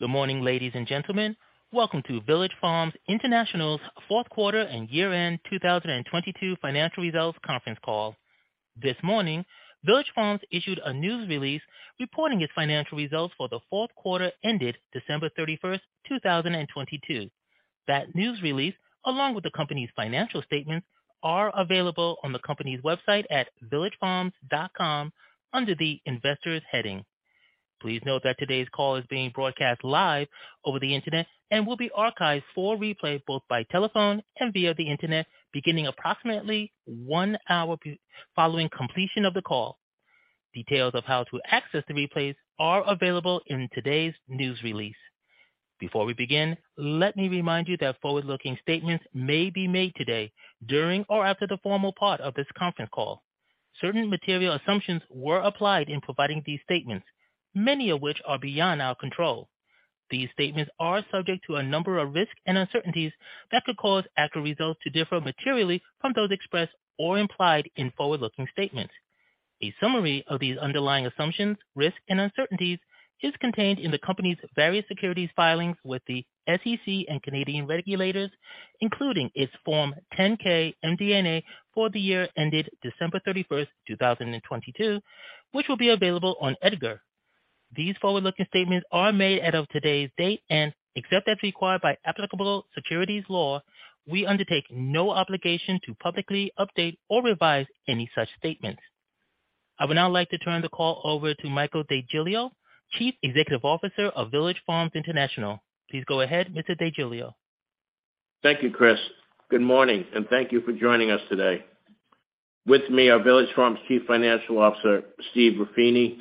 Good morning, ladies and gentlemen. Welcome to Village Farms International's fourth quarter and year-end 2022 financial results conference call. This morning, Village Farms issued a news release reporting its financial results for the fourth quarter ended December 31st, 2022. That news release, along with the company's financial statements, are available on the company's website at villagefarms.com under the Investors heading. Please note that today's call is being broadcast live over the Internet and will be archived for replay both by telephone and via the Internet beginning approximately one hour following completion of the call. Details of how to access the replays are available in today's news release. Before we begin, let me remind you that forward-looking statements may be made today during or after the formal part of this conference call. Certain material assumptions were applied in providing these statements, many of which are beyond our control. These statements are subject to a number of risks and uncertainties that could cause actual results to differ materially from those expressed or implied in forward-looking statements. A summary of these underlying assumptions, risks, and uncertainties is contained in the company's various securities filings with the SEC and Canadian regulators, including its Form 10-K MD&A for the year ended December 31st, 2022, which will be available on EDGAR. These forward-looking statements are made as of today's date, and except as required by applicable securities law, we undertake no obligation to publicly update or revise any such statements. I would now like to turn the call over to Michael DeGiglio, Chief Executive Officer of Village Farms International. Please go ahead, Mr. DeGiglio. Thank you, Chris. Good morning, and thank you for joining us today. With me are Village Farms' Chief Financial Officer, Steve Ruffini,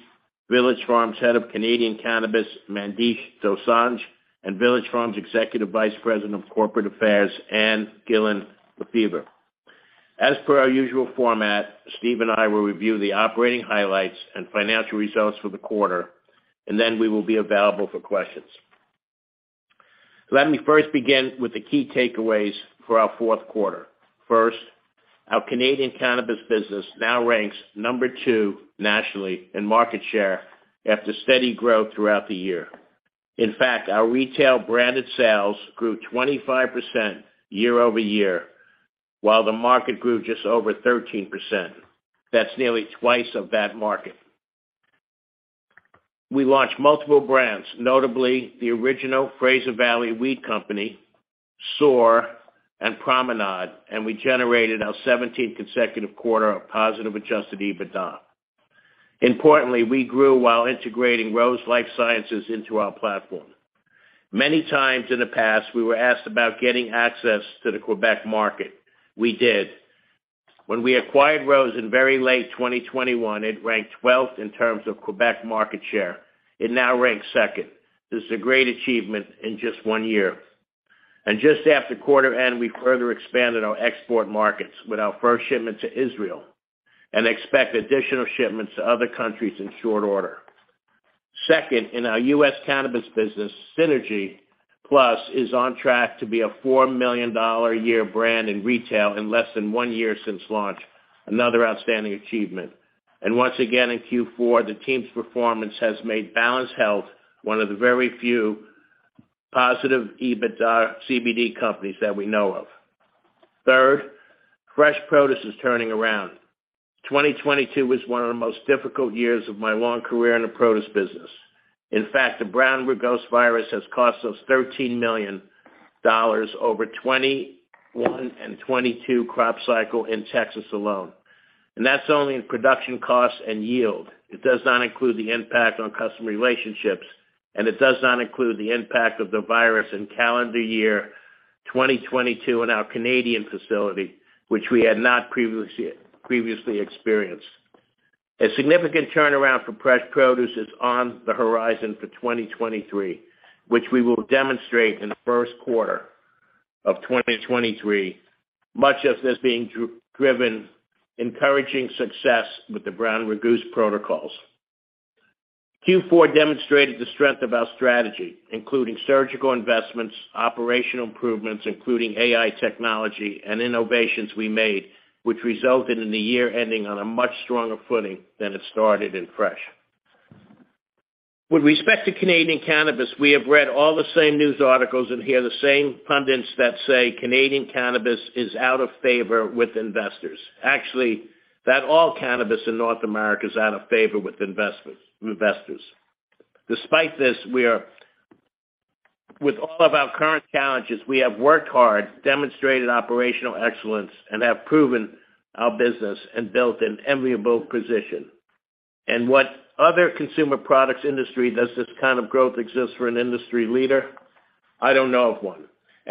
Village Farms' Head of Canadian Cannabis, Mandesh Dosanjh, and Village Farms' Executive Vice President of Corporate Affairs, Ann Gillin Lefever. As per our usual format, Steve and I will review the operating highlights and financial results for the quarter, and then we will be available for questions. Let me first begin with the key takeaways for our fourth quarter. First, our Canadian cannabis business now ranks number two nationally in market share after steady growth throughout the year. In fact, our retail branded sales grew 25% year over year, while the market grew just over 13%. That's nearly twice of that market. We launched multiple brands, notably The Original Fraser Valley Weed Co., Soar, and Promenade. We generated our 17th consecutive quarter of positive Adjusted EBITDA. Importantly, we grew while integrating Rose LifeScience into our platform. Many times in the past, we were asked about getting access to the Quebec market. We did. When we acquired Rose in very late 2021, it ranked 12th in terms of Quebec market share. It now ranks second. This is a great achievement in just one year. Just after quarter end, we further expanded our export markets with our first shipment to Israel and expect additional shipments to other countries in short order. Second, in our U.S. cannabis business, Synergy+ is on track to be a $4 million a year brand in retail in less than one year since launch, another outstanding achievement. Once again, in Q4, the team's performance has made Balanced Health Botanicals one of the very few positive EBITDA CBD companies that we know of. Third, fresh produce is turning around. 2022 was one of the most difficult years of my long career in the produce business. In fact, the Brown Rugose virus has cost us $13 million over 2021 and 2022 crop cycle in Texas alone. That's only in production cost and yield. It does not include the impact on customer relationships. It does not include the impact of the virus in calendar year 2022 in our Canadian facility, which we had not previously experienced. A significant turnaround for fresh produce is on the horizon for 2023, which we will demonstrate in the first quarter of 2023, much of this being driven, encouraging success with the Brown Rugose protocols. Q4 demonstrated the strength of our strategy, including surgical investments, operational improvements, including AI technology and innovations we made, which resulted in the year ending on a much stronger footing than it started in fresh. With respect to Canadian cannabis, we have read all the same news articles and hear the same pundits that say Canadian cannabis is out of favor with investors. Actually, that all cannabis in North America is out of favor with investors. Despite this, with all of our current challenges, we have worked hard, demonstrated operational excellence, and have proven our business and built an enviable position. What other consumer products industry does this kind of growth exist for an industry leader? I don't know of one.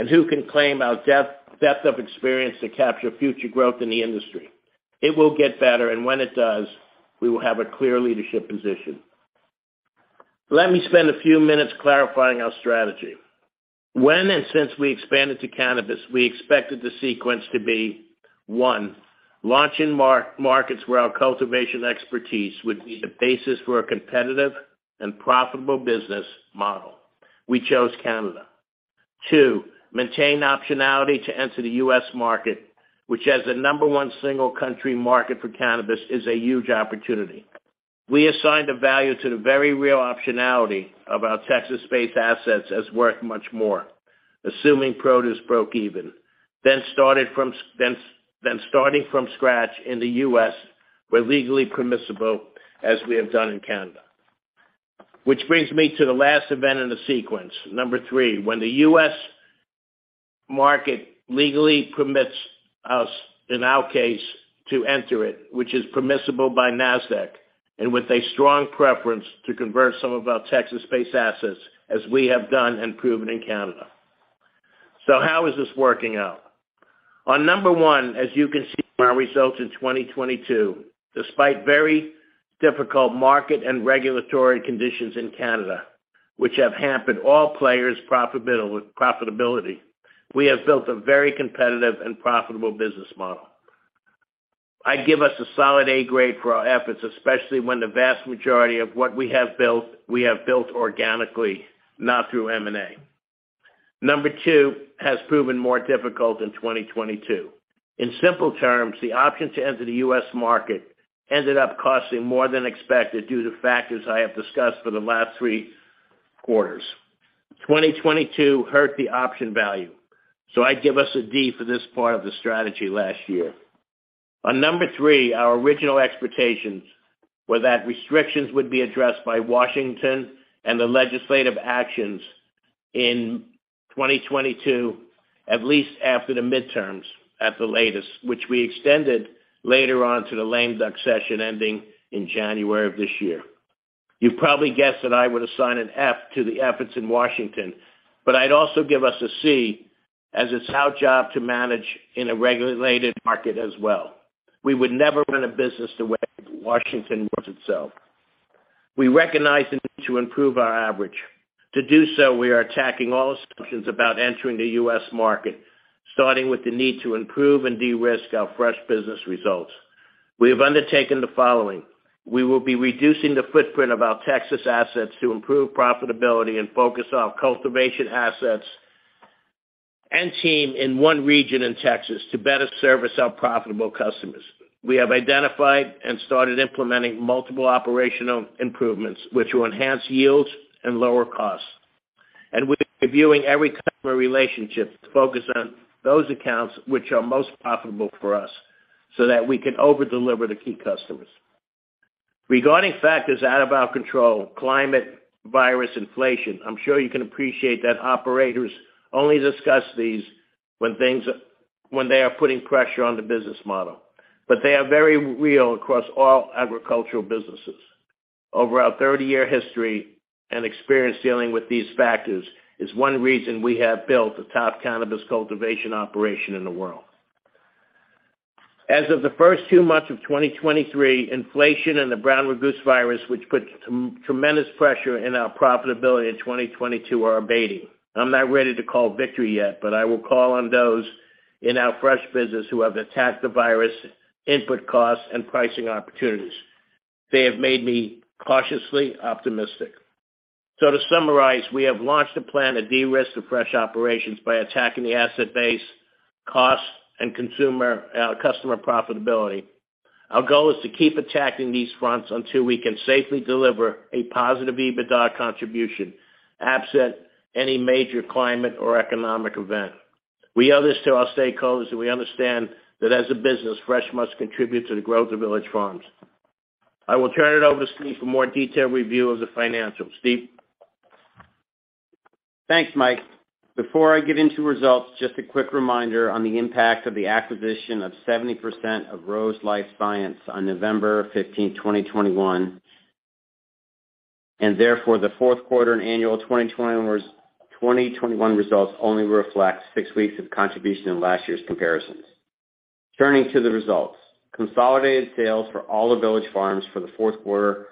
Who can claim our depth of experience to capture future growth in the industry? It will get better, and when it does, we will have a clear leadership position. Let me spend a few minutes clarifying our strategy. When and since we expanded to cannabis, we expected the sequence to be: one, launch in markets where our cultivation expertise would be the basis for a competitive and profitable business model. We chose Canada. Two, Maintain optionality to enter the U.S. market, which as the number one single country market for cannabis, is a huge opportunity. We assigned a value to the very real optionality of our Texas-based assets as worth much more, assuming produce broke even. Starting from scratch in the U.S. where legally permissible as we have done in Canada. Which brings me to the last event in the sequence. Number three, when the U.S. market legally permits us, in our case, to enter it, which is permissible by Nasdaq, and with a strong preference to convert some of our Texas-based assets as we have done and proven in Canada. How is this working out? On number one, as you can see from our results in 2022, despite very difficult market and regulatory conditions in Canada, which have hampered all players profitability, we have built a very competitive and profitable business model. I give us a solid A grade for our efforts, especially when the vast majority of what we have built, we have built organically, not through M&A. Number two has proven more difficult in 2022. In simple terms, the option to enter the U.S. market ended up costing more than expected due to factors I have discussed for the last three quarters. 2022 hurt the option value. I give us a D for this part of the strategy last year. On number three, our original expectations were that restrictions would be addressed by Washington and the legislative actions in 2022, at least after the midterms at the latest, which we extended later on to the lame duck session ending in January of this year. You probably guessed that I would assign an F to the efforts in Washington, but I'd also give us a C, as it's our job to manage in a regulated market as well. We would never run a business the way Washington runs itself. We recognize the need to improve our average. To do so, we are attacking all assumptions about entering the U.S. market, starting with the need to improve and de-risk our fresh business results. We have undertaken the following. We will be reducing the footprint of our Texas assets to improve profitability and focus our cultivation assets and team in one region in Texas to better service our profitable customers. We have identified and started implementing multiple operational improvements which will enhance yields and lower costs. We're reviewing every customer relationship to focus on those accounts which are most profitable for us, so that we can over-deliver to key customers. Regarding factors out of our control, climate, virus, inflation, I'm sure you can appreciate that operators only discuss these when they are putting pressure on the business model. They are very real across all agricultural businesses. Over our 30-year history and experience dealing with these factors is one reason we have built a top cannabis cultivation operation in the world. As of the first two months of 2023, inflation and the Brown Rugose virus, which put some tremendous pressure in our profitability in 2022, are abating. I'm not ready to call victory yet, but I will call on those in our fresh business who have attacked the virus, input costs, and pricing opportunities. They have made me cautiously optimistic. To summarize, we have launched a plan to de-risk the fresh operations by attacking the asset base, costs, and consumer, customer profitability. Our goal is to keep attacking these fronts until we can safely deliver a positive EBITDA contribution, absent any major climate or economic event. We owe this to our stakeholders, and we understand that as a business, Fresh must contribute to the growth of Village Farms. I will turn it over to Steve for more detailed review of the financials. Steve? Thanks, Michael DeGiglio. Before I get into results, just a quick reminder on the impact of the acquisition of 70% of Rose LifeScience on November 15, 2021. Therefore, the fourth quarter and annual 2021 results only reflect six weeks of contribution in last year's comparisons. Turning to the results. Consolidated sales for all of Village Farms International for the fourth quarter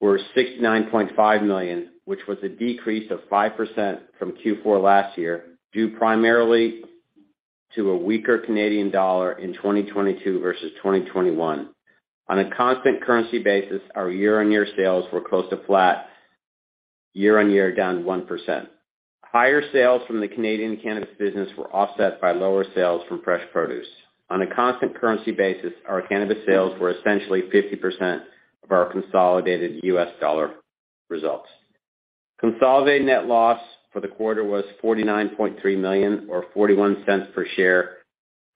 were $69.5 million, which was a decrease of 5% from Q4 last year, due primarily to a weaker Canadian dollar in 2022 versus 2021. On a constant currency basis, our year-on-year sales were close to flat, year-on-year down 1%. Higher sales from the Canadian cannabis business were offset by lower sales from fresh produce. On a constant currency basis, our cannabis sales were essentially 50% of our consolidated U.S. dollar results. Consolidated net loss for the quarter was $49.3 million or $0.41 per share,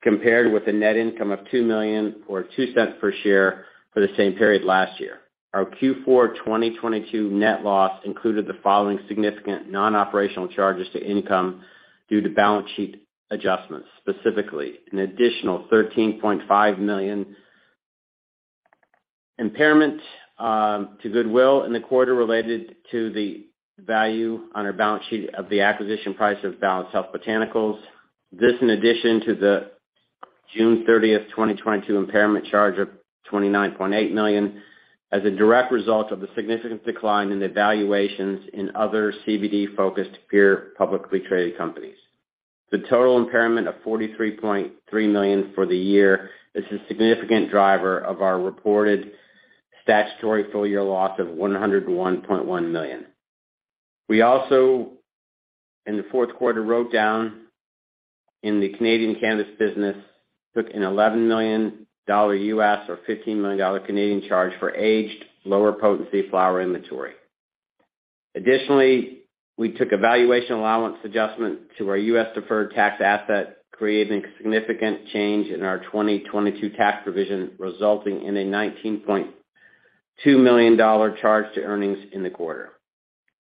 compared with a net income of $2 million or $0.02 per share for the same period last year. Our Q4 2022 net loss included the following significant non-operational charges to income due to balance sheet adjustments. Specifically, an additional $13.5 million impairment to goodwill in the quarter related to the value on our balance sheet of the acquisition price of Balanced Health Botanicals. This in addition to the June 30, 2022 impairment charge of $29.8 million as a direct result of the significant decline in the valuations in other CBD-focused peer publicly traded companies. The total impairment of $43.3 million for the year is a significant driver of our reported statutory full-year loss of $101.1 million. We also, in the fourth quarter, wrote down in the Canadian cannabis business, took an $11 million U.S. or 15 million dollar charge for aged lower potency flower inventory. Additionally, we took a valuation allowance adjustment to our U.S. deferred tax asset, creating significant change in our 2022 tax provision, resulting in a $19.2 million charge to earnings in the quarter.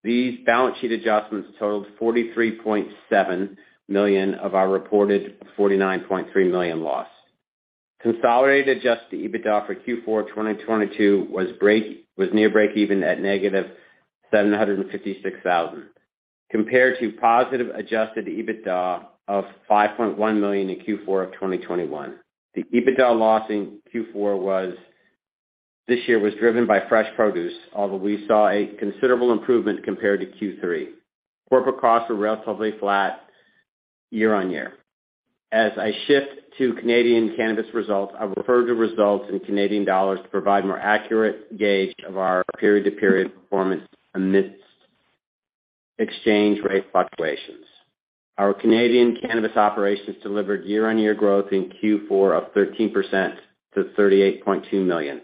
These balance sheet adjustments totaled $43.7 million of our reported $49.3 million loss. Consolidated Adjusted EBITDA for Q4 2022 was near breakeven at -$756,000, compared to positive Adjusted EBITDA of $5.1 million in Q4 of 2021. The EBITDA loss in Q4 was, this year, was driven by fresh produce, although we saw a considerable improvement compared to Q3. Corporate costs were relatively flat year-on-year. As I shift to Canadian cannabis results, I'll refer to results in Canadian dollars to provide more accurate gauge of our period-to-period performance amidst exchange rate fluctuations. Our Canadian cannabis operations delivered year-on-year growth in Q4 of 13% to 38.2 million.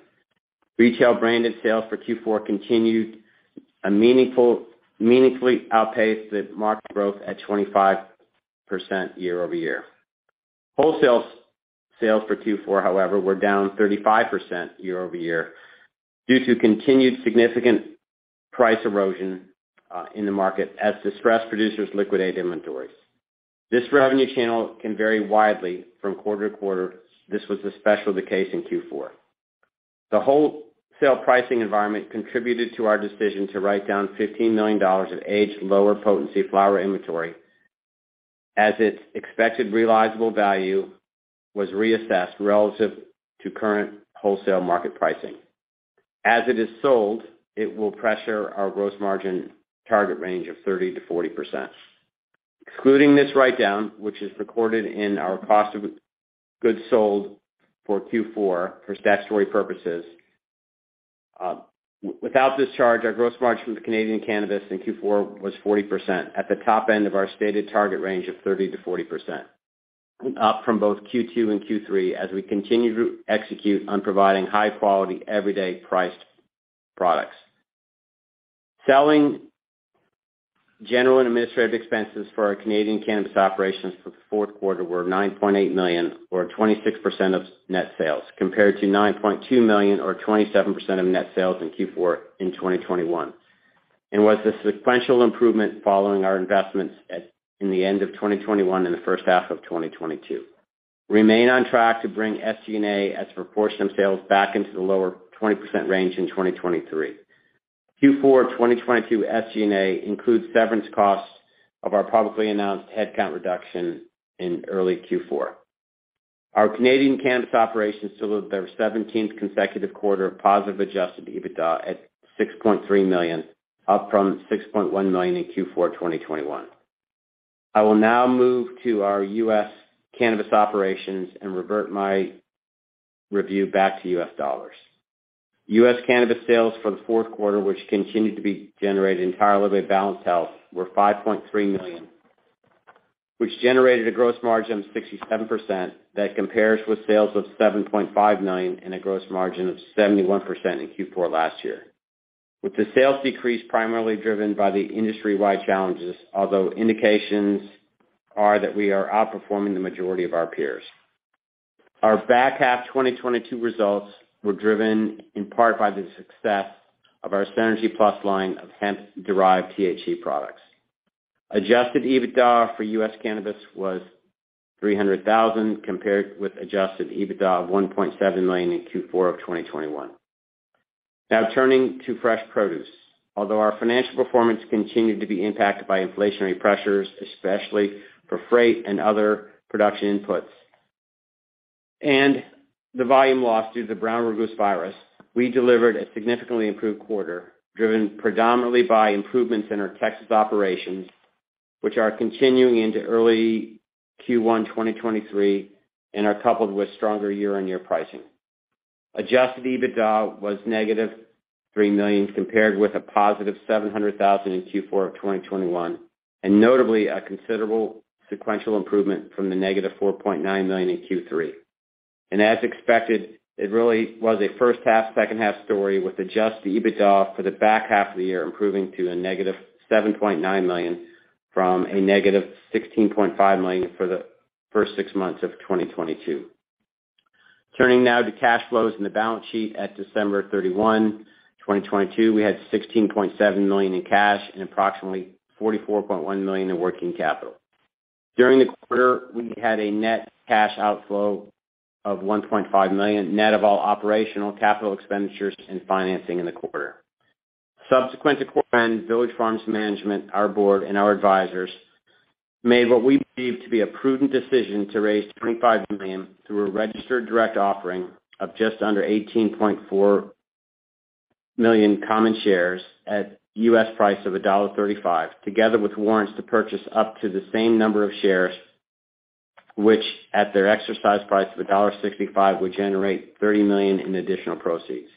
Retail branded sales for Q4 continued meaningfully outpaced the market growth at 25% year-over-year. Wholesale sales for Q4, however, were down 35% year-over-year due to continued significant price erosion in the market as distressed producers liquidate inventories. This revenue channel can vary widely from quarter-to-quarter. This was especially the case in Q4. The wholesale pricing environment contributed to our decision to write down 15 million dollars of aged lower potency flower inventory as its expected realizable value was reassessed relative to current wholesale market pricing. As it is sold, it will pressure our gross margin target range of 30%-40%. Excluding this write-down, which is recorded in our cost of goods sold for Q4 for statutory purposes, without this charge, our gross margin for Canadian cannabis in Q4 was 40%, at the top end of our stated target range of 30%-40%. Up from both Q2 and Q3 as we continue to execute on providing high-quality everyday priced products. Selling general and administrative expenses for our Canadian cannabis operations for the fourth quarter were 9.8 million or 26% of net sales, compared to 9.2 million or 27% of net sales in Q4 in 2021, and was a sequential improvement following our investments in the end of 2021 and the first half of 2022. Remain on track to bring SG&A as a proportion of sales back into the lower 20% range in 2023. Q4 2022 SG&A includes severance costs of our publicly announced headcount reduction in early Q4. Our Canadian cannabis operations delivered their seventeenth consecutive quarter of positive Adjusted EBITDA at 6.3 million, up from 6.1 million in Q4 2021. I will now move to our U.S. cannabis operations and revert my review back to U.S. Dollars. U.S. cannabis sales for the fourth quarter, which continued to be generated entirely by Balanced Health Botanicals, were $5.3 million, which generated a gross margin of 67% that compares with sales of $7.5 million and a gross margin of 71% in Q4 last year, with the sales decrease primarily driven by the industry-wide challenges, although indications are that we are outperforming the majority of our peers. Our back half 2022 results were driven in part by the success of our Synergy+ line of hemp-derived THC products. Adjusted EBITDA for U.S. cannabis was $300,000, compared with Adjusted EBITDA of $1.7 million in Q4 of 2021. Now turning to fresh produce. Although our financial performance continued to be impacted by inflationary pressures, especially for freight and other production inputs, and the volume loss due to the Brown Rugose virus, we delivered a significantly improved quarter, driven predominantly by improvements in our Texas operations, which are continuing into early Q1 2023 and are coupled with stronger year-on-year pricing. Adjusted EBITDA was negative $3 million, compared with a positive $700,000 in Q4 of 2021, and notably a considerable sequential improvement from the negative $4.9 million in Q3. As expected, it really was a first half, second half story, with Adjusted EBITDA for the back half of the year improving to -$7.9 million from -$16.5 million for the first six months of 2022. Turning now to cash flows and the balance sheet. At December 31, 2022, we had $16.7 million in cash and approximately $44.1 million in working capital. During the quarter, we had a net cash outflow of $1.5 million, net of all operational capital expenditures and financing in the quarter. Subsequent to quarter end, Village Farms management, our board, and our advisors made what we believe to be a prudent decision to raise $25 million through a registered direct offering of just under 18.4 million common shares at U.S. price of $1.35, together with warrants to purchase up to the same number of shares, which at their exercise price of $1.65, would generate $30 million in additional proceeds.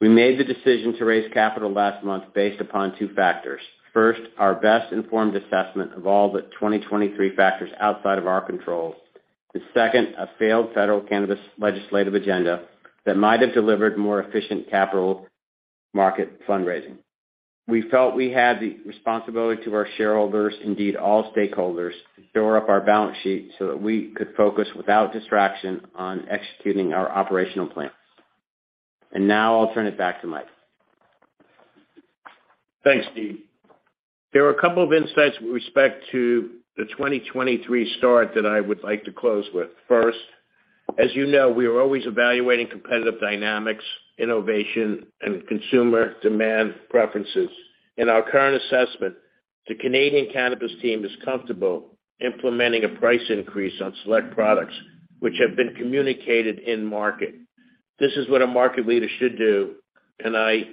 We made the decision to raise capital last month based upon two factors. First, our best informed assessment of all the 2023 factors outside of our control. The second, a failed federal cannabis legislative agenda that might have delivered more efficient capital market fundraising. We felt we had the responsibility to our shareholders, indeed all stakeholders, to shore up our balance sheet so that we could focus without distraction on executing our operational plans. Now I'll turn it back to Mike. Thanks, Steve. There are a couple of insights with respect to the 2023 start that I would like to close with. First, as you know, we are always evaluating competitive dynamics, innovation, and consumer demand preferences. In our current assessment, the Canadian cannabis team is comfortable implementing a price increase on select products which have been communicated in market. This is what a market leader should do, and I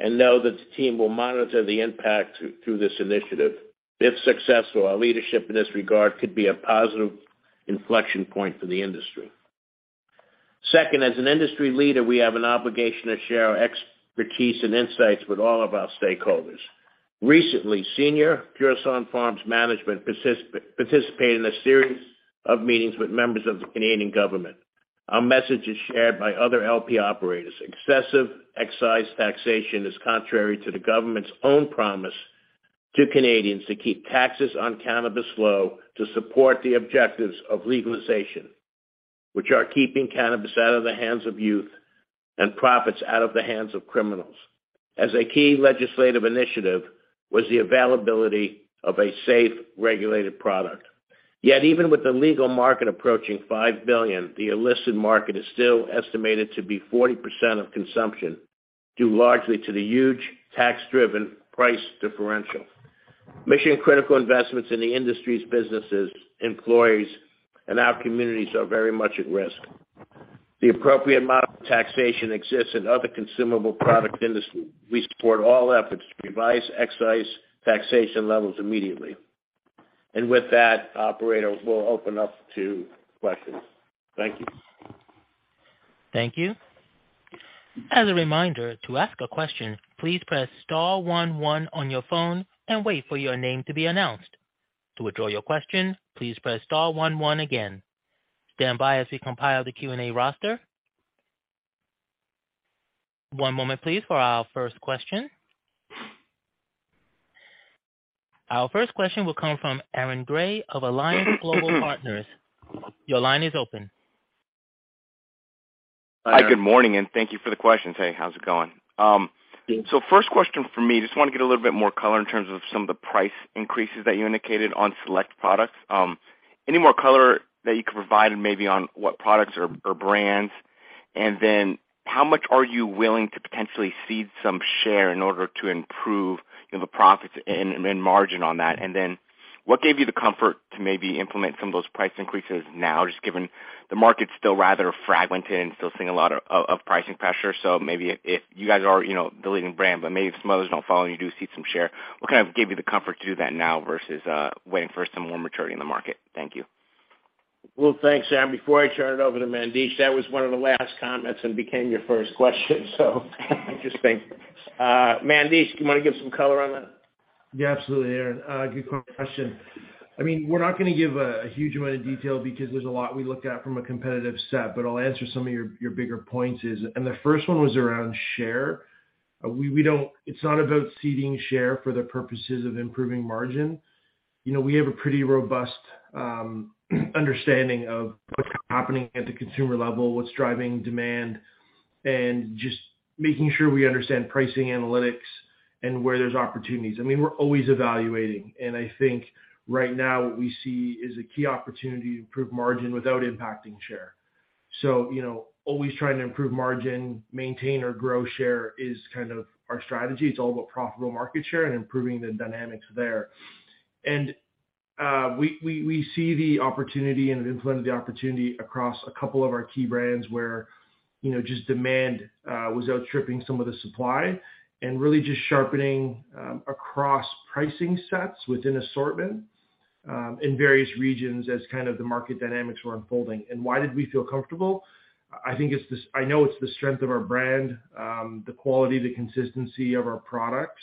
know that the team will monitor the impact through this initiative. If successful, our leadership in this regard could be a positive inflection point for the industry. Second, as an industry leader, we have an obligation to share our expertise and insights with all of our stakeholders. Recently, senior Curaleaf International management participated in a series of meetings with members of the Canadian government. Our message is shared by other LP operators. Excessive excise taxation is contrary to the government's own promise to Canadians to keep taxes on cannabis low to support the objectives of legalization, which are keeping cannabis out of the hands of youth and profits out of the hands of criminals. As a key legislative initiative was the availability of a safe, regulated product. Yet even with the legal market approaching $5 billion, the illicit market is still estimated to be 40% of consumption, due largely to the huge tax-driven price differential. Mission-critical investments in the industry's businesses, employees, and our communities are very much at risk. The appropriate amount of taxation exists in other consumable product industry. We support all efforts to revise excise taxation levels immediately. With that, operator, we'll open up to questions. Thank you. Thank you. As a reminder, to ask a question, please press star one one on your phone and wait for your name to be announced. To withdraw your question, please press star one one again. Stand by as we compile the Q&A roster. One moment please for our first question. Our first question will come from Aaron Grey of Alliance Global Partners. Your line is open. Hi, good morning, and thank you for the questions. Hey, how's it going? First question from me, just wanna get a little bit more color in terms of some of the price increases that you indicated on select products. Any more color that you can provide and maybe on what products or brands? How much are you willing to potentially cede some share in order to improve, you know, the profits and margin on that? What gave you the comfort to maybe implement some of those price increases now, just given the market's still rather fragmented and still seeing a lot of pricing pressure. Maybe if you guys are, you know, building brand, but maybe if some others don't follow and you do cede some share, what kind of gave you the comfort to do that now versus waiting for some more maturity in the market? Thank you. Well, thanks, Aaron. Before I turn it over to Mandesh, that was one of the last comments and became your first question. Interesting. Mandesh, do you want to give some color on that? Yeah, absolutely, Aaron. Good question. I mean, we're not gonna give a huge amount of detail because there's a lot we looked at from a competitive set, but I'll answer some of your bigger points is. The first one was around share. We don't, it's not about ceding share for the purposes of improving margin. You know, we have a pretty robust understanding of what's happening at the consumer level, what's driving demand, and just making sure we understand pricing analytics and where there's opportunities. I mean, we're always evaluating, and I think right now what we see is a key opportunity to improve margin without impacting share. You know, always trying to improve margin, maintain or grow share is kind of our strategy. It's all about profitable market share and improving the dynamics there. We see the opportunity and have implemented the opportunity across a couple of our key brands where, you know, just demand was outstripping some of the supply and really just sharpening across pricing sets within assortment in various regions as kind of the market dynamics were unfolding. Why did we feel comfortable? I know it's the strength of our brand, the quality, the consistency of our products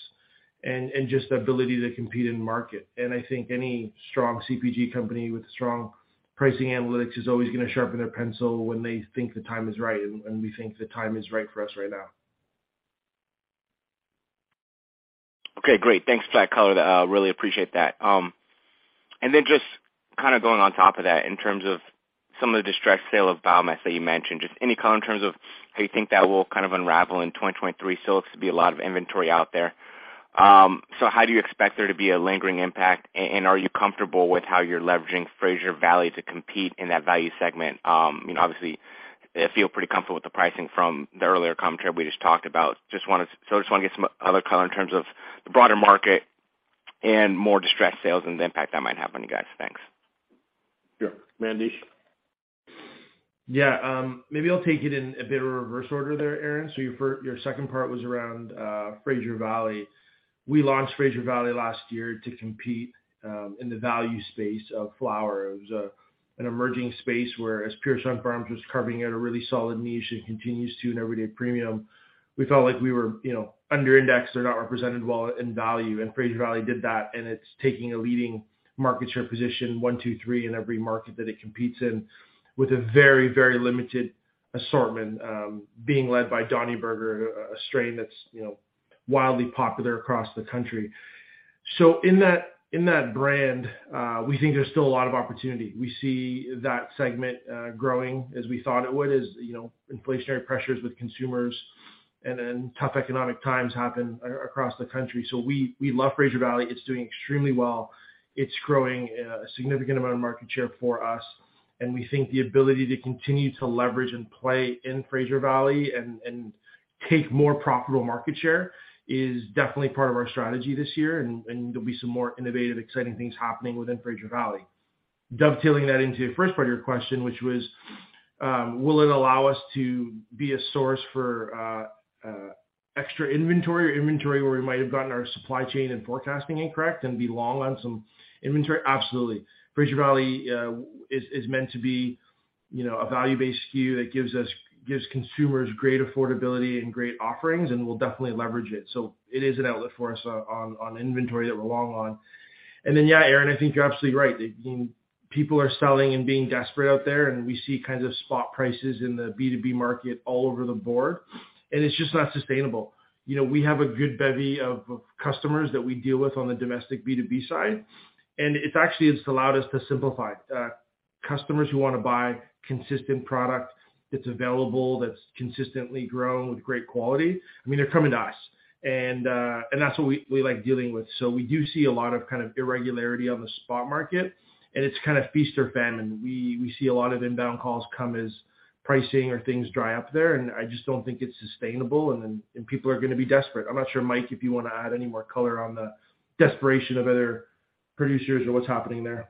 and just the ability to compete in market. I think any strong CPG company with strong pricing analytics is always gonna sharpen their pencil when they think the time is right, and we think the time is right for us right now. Okay, great. Thanks for that color, really appreciate that. Just kind of going on top of that in terms of some of the distressed sale of biomass that you mentioned, just any color in terms of how you think that will kind of unravel in 2023. Still looks to be a lot of inventory out there. How do you expect there to be a lingering impact, and are you comfortable with how you're leveraging Fraser Valley to compete in that value segment? You know, obviously I feel pretty comfortable with the pricing from the earlier comp tab we just talked about. Just wanna get some other color in terms of the broader market and more distressed sales and the impact that might have on you guys. Thanks. Sure. Mandesh? Yeah. Maybe I'll take it in a bit of a reverse order there, Aaron Grey. Your second part was around Fraser Valley. We launched Fraser Valley last year to compete in the value space of flower. It was an emerging space where as Pure Sunfarms was carving out a really solid niche and continues to in everyday premium. We felt like we were, you know, under indexed or not represented well in value, and Fraser Valley did that, and it's taking a leading market share position, one, two, three in every market that it competes in with a very, very limited assortment, being led by Donny Burger, a strain that's, you know, wildly popular across the country. In that brand, we think there's still a lot of opportunity. We see that segment growing as we thought it would, as, you know, inflationary pressures with consumers and then tough economic times happen across the country. We love Fraser Valley. It's doing extremely well. It's growing a significant amount of market share for us, and we think the ability to continue to leverage and play in Fraser Valley and take more profitable market share is definitely part of our strategy this year, and there'll be some more innovative, exciting things happening within Fraser Valley. Dovetailing that into the first part of your question, which was, will it allow us to be a source for extra inventory or inventory where we might have gotten our supply chain and forecasting incorrect and be long on some inventory? Absolutely. Fraser Valley is meant to be, you know, a value-based SKU that gives consumers great affordability and great offerings, and we'll definitely leverage it. It is an outlet for us on inventory that we're long on. Then, yeah, Aaron, I think you're absolutely right. I mean, people are selling and being desperate out there, and we see kinds of spot prices in the B2B market all over the board, and it's just not sustainable. You know, we have a good bevy of customers that we deal with on the domestic B2B side, and it's actually, it's allowed us to simplify. Customers who wanna buy consistent product that's available, that's consistently grown with great quality, I mean, they're coming to us. That's what we like dealing with. We do see a lot of kinda irregularity on the spot market, and it's kinda feast or famine. We see a lot of inbound calls come as pricing or things dry up there, and I just don't think it's sustainable and then people are gonna be desperate. I'm not sure, Mike, if you wanna add any more color on the desperation of other producers or what's happening there?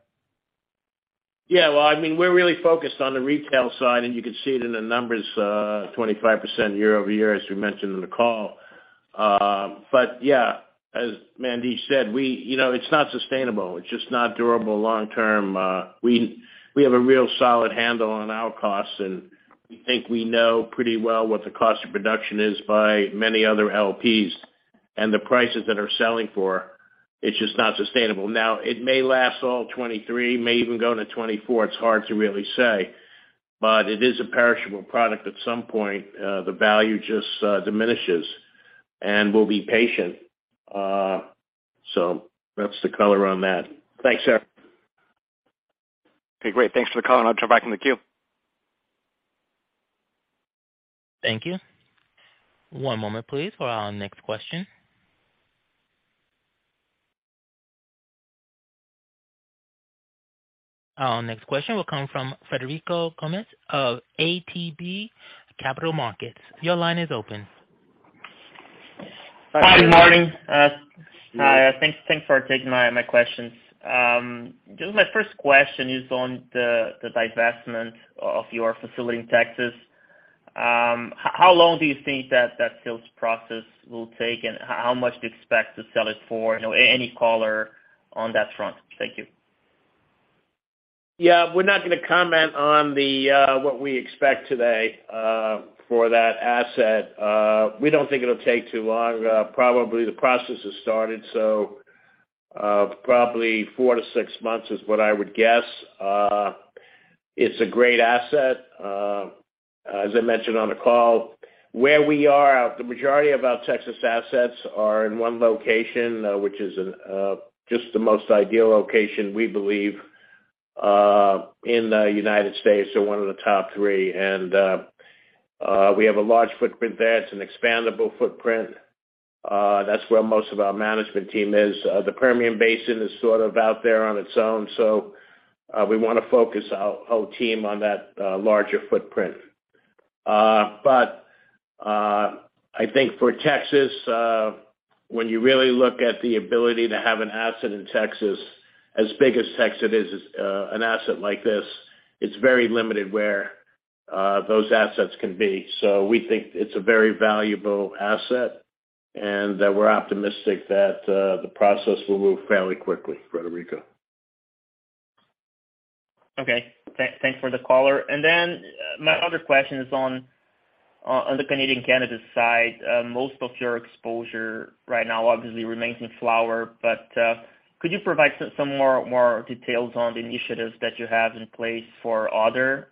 Yeah. Well, I mean, we're really focused on the retail side, you can see it in the numbers, 25% year-over-year, as we mentioned in the call. Yeah, as Mandesh said, You know, it's not sustainable. It's just not durable long term. We have a real solid handle on our costs, and we think we know pretty well what the cost of production is by many other LPs. The prices that are selling for, it's just not sustainable. It may last all 2023, may even go into 2024. It's hard to really say. It is a perishable product. At some point, the value just diminishes. We'll be patient. That's the color on that. Thanks, Aaron. Okay, great. Thanks for the color. I'll drop back in the queue. Thank you. One moment please for our next question. Our next question will come from Frederico Gomes of ATB Capital Markets. Your line is open. Hi, good morning. Hi, thanks for taking my questions. Just my first question is on the divestment of your facility in Texas. How long do you think that sales process will take, and how much do you expect to sell it for? You know, any color on that front. Thank you. Yeah. We're not gonna comment on the what we expect today for that asset. We don't think it'll take too long. Probably the process has started, so probably four to six months is what I would guess. It's a great asset. As I mentioned on the call, where we are, the majority of our Texas assets are in one location, which is just the most ideal location, we believe, in the United States or one of the top three. We have a large footprint there. It's an expandable footprint. That's where most of our management team is. The Permian Basin is sort of out there on its own, so we wanna focus our team on that larger footprint. I think for Texas, when you really look at the ability to have an asset in Texas, as big as Texas is, an asset like this, it's very limited where those assets can be. We think it's a very valuable asset, and we're optimistic that the process will move fairly quickly, Federico. Okay. Thanks for the color. My other question is on the Canadian cannabis side. Most of your exposure right now obviously remains in flower, but could you provide some more details on the initiatives that you have in place for other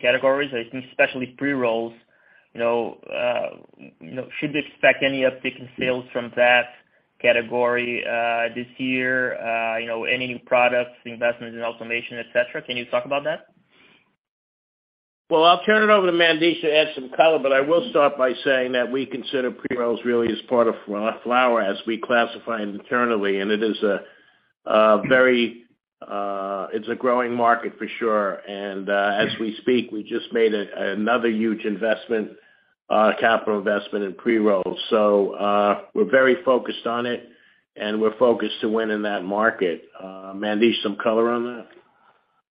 categories, I think especially pre-rolls? You know, you know, should we expect any uptick in sales from that category this year? You know, any new products, investments in automation, et cetera? Can you talk about that? I'll turn it over to Mandesh to add some color, but I will start by saying that we consider pre-rolls really as part of flower as we classify it internally, and it is a very. It's a growing market for sure. As we speak, we just made another huge investment, capital investment in pre-rolls. We're very focused on it, and we're focused to win in that market. Mandesh, some color on that.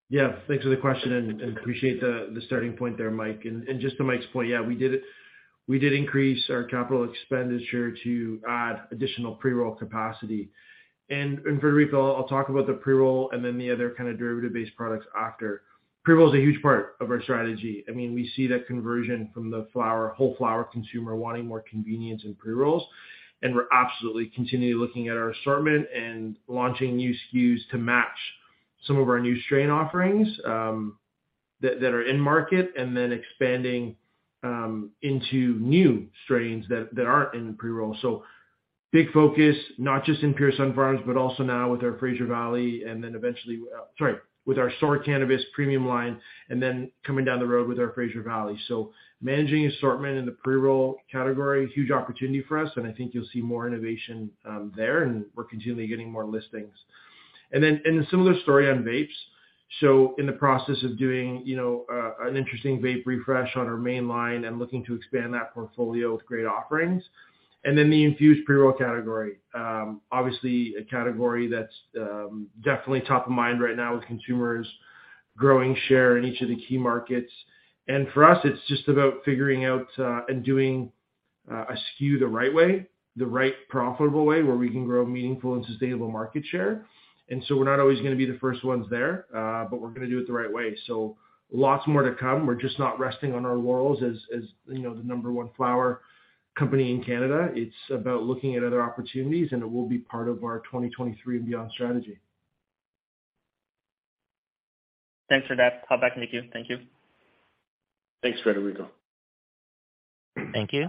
Yeah. Thanks for the question and appreciate the starting point there, Mike. Just to Mike's point, yeah, we did increase our capital expenditure to add additional pre-roll capacity. Rodrigo, I'll talk about the pre-roll and then the other kind of derivative-based products after. Pre-roll is a huge part of our strategy. I mean, we see that conversion from the flower, whole flower consumer wanting more convenience in pre-rolls, and we're absolutely continually looking at our assortment and launching new SKUs to match some of our new strain offerings that are in market, and then expanding into new strains that aren't in pre-roll. Big focus, not just in Pure Sunfarms, but also now with our Fraser Valley and then eventually... Sorry, with our Soar Cannabis premium line, coming down the road with our Fraser Valley. Managing assortment in the pre-roll category, huge opportunity for us, I think you'll see more innovation there, we're continually getting more listings. A similar story on vapes. In the process of doing, you know, an interesting vape refresh on our main line and looking to expand that portfolio with great offerings. The infused pre-roll category. Obviously, a category that's definitely top of mind right now with consumers growing share in each of the key markets. For us, it's just about figuring out, doing a SKU the right way, the right profitable way, where we can grow meaningful and sustainable market share. We're not always gonna be the first ones there, but we're gonna do it the right way. Lots more to come. We're just not resting on our laurels as, you know, the number one flower company in Canada. It's about looking at other opportunities, and it will be part of our 2023 and beyond strategy. Thanks for that. I'll back to you. Thank you. Thanks, Frederico. Thank you.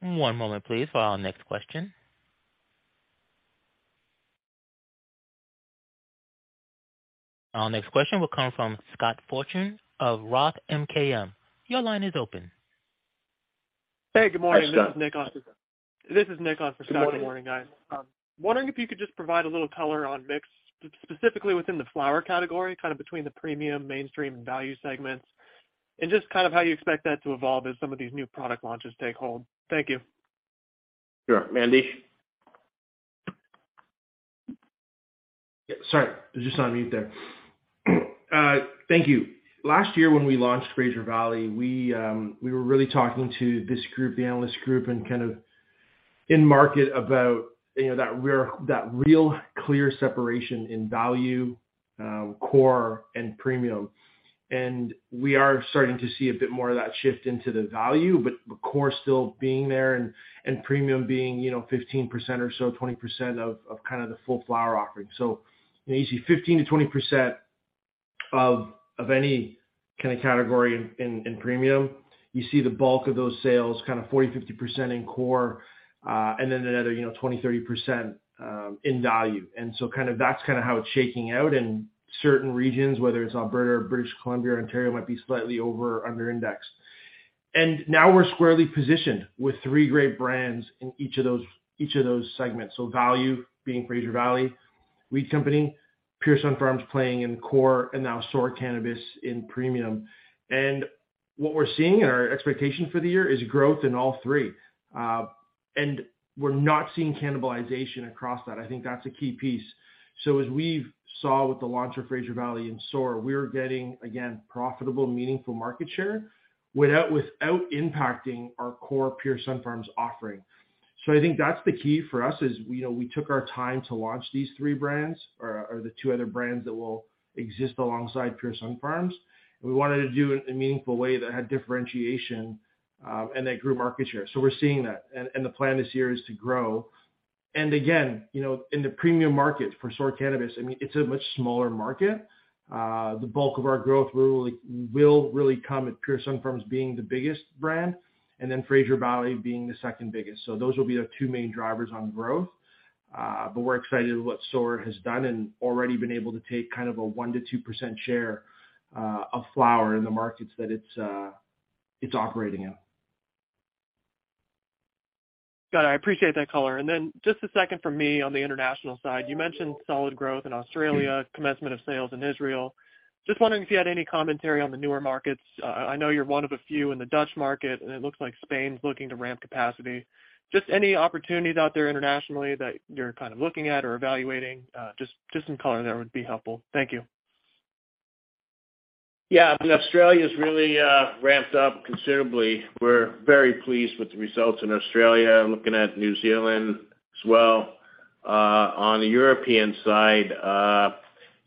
One moment please for our next question. Our next question will come from Scott Fortune of Roth MKM. Your line is open. Hey, good morning. Hi, Scott. This is Nick Hatzis. Good morning. This is Nick Hatzis. Good morning, guys. Wondering if you could just provide a little color on mix, specifically within the flower category, kind of between the premium, mainstream, and value segments, and just kind of how you expect that to evolve as some of these new product launches take hold. Thank you. Sure. Mandi? Yeah. Sorry. I was just on mute there. Thank you. Last year, when we launched Fraser Valley, we were really talking to this group, the analyst group and kind of in market about, you know, that real clear separation in value, core and premium. We are starting to see a bit more of that shift into the value, but the core still being there and premium being, you know, 15% or so, 20% of kind of the full flower offering. You may see 15%-20% of any kind of category in premium. You see the bulk of those sales kind of 40%, 50% in core, and then another, you know, 20%-30% in value. kind of, that's kinda how it's shaking out in certain regions, whether it's Alberta or British Columbia or Ontario, might be slightly over or under index. Now we're squarely positioned with three great brands in each of those, each of those segments. Value being Fraser Valley Weed Company, Pure Sunfarms playing in core, and now Soar Cannabis in premium. What we're seeing and our expectation for the year is growth in all three. We're not seeing cannibalization across that. I think that's a key piece. As we saw with the launch of Fraser Valley and Soar, we're getting, again, profitable, meaningful market share without impacting our core Pure Sunfarms offering. I think that's the key for us is, you know, we took our time to launch these three brands, or the two other brands that will exist alongside Pure Sunfarms. We wanted to do it in a meaningful way that had differentiation, and that grew market share. We're seeing that. The plan this year is to grow. Again, you know, in the premium market for Soar Cannabis, I mean, it's a much smaller market. The bulk of our growth will really come at Pure Sunfarms being the biggest brand, and then Fraser Valley being the second biggest. Those will be the two main drivers on growth. we're excited with what Soar has done and already been able to take kind of a 1%-2% share of flower in the markets that it's operating in. Got it. I appreciate that color. Just a second from me on the international side. You mentioned solid growth in Australia- Mm. Commencement of sales in Israel. Just wondering if you had any commentary on the newer markets. I know you're one of a few in the Dutch market, and it looks like Spain's looking to ramp capacity. Just any opportunities out there internationally that you're kind of looking at or evaluating, just some color there would be helpful. Thank you. Yeah. I mean, Australia's really ramped up considerably. We're very pleased with the results in Australia, looking at New Zealand as well. On the European side,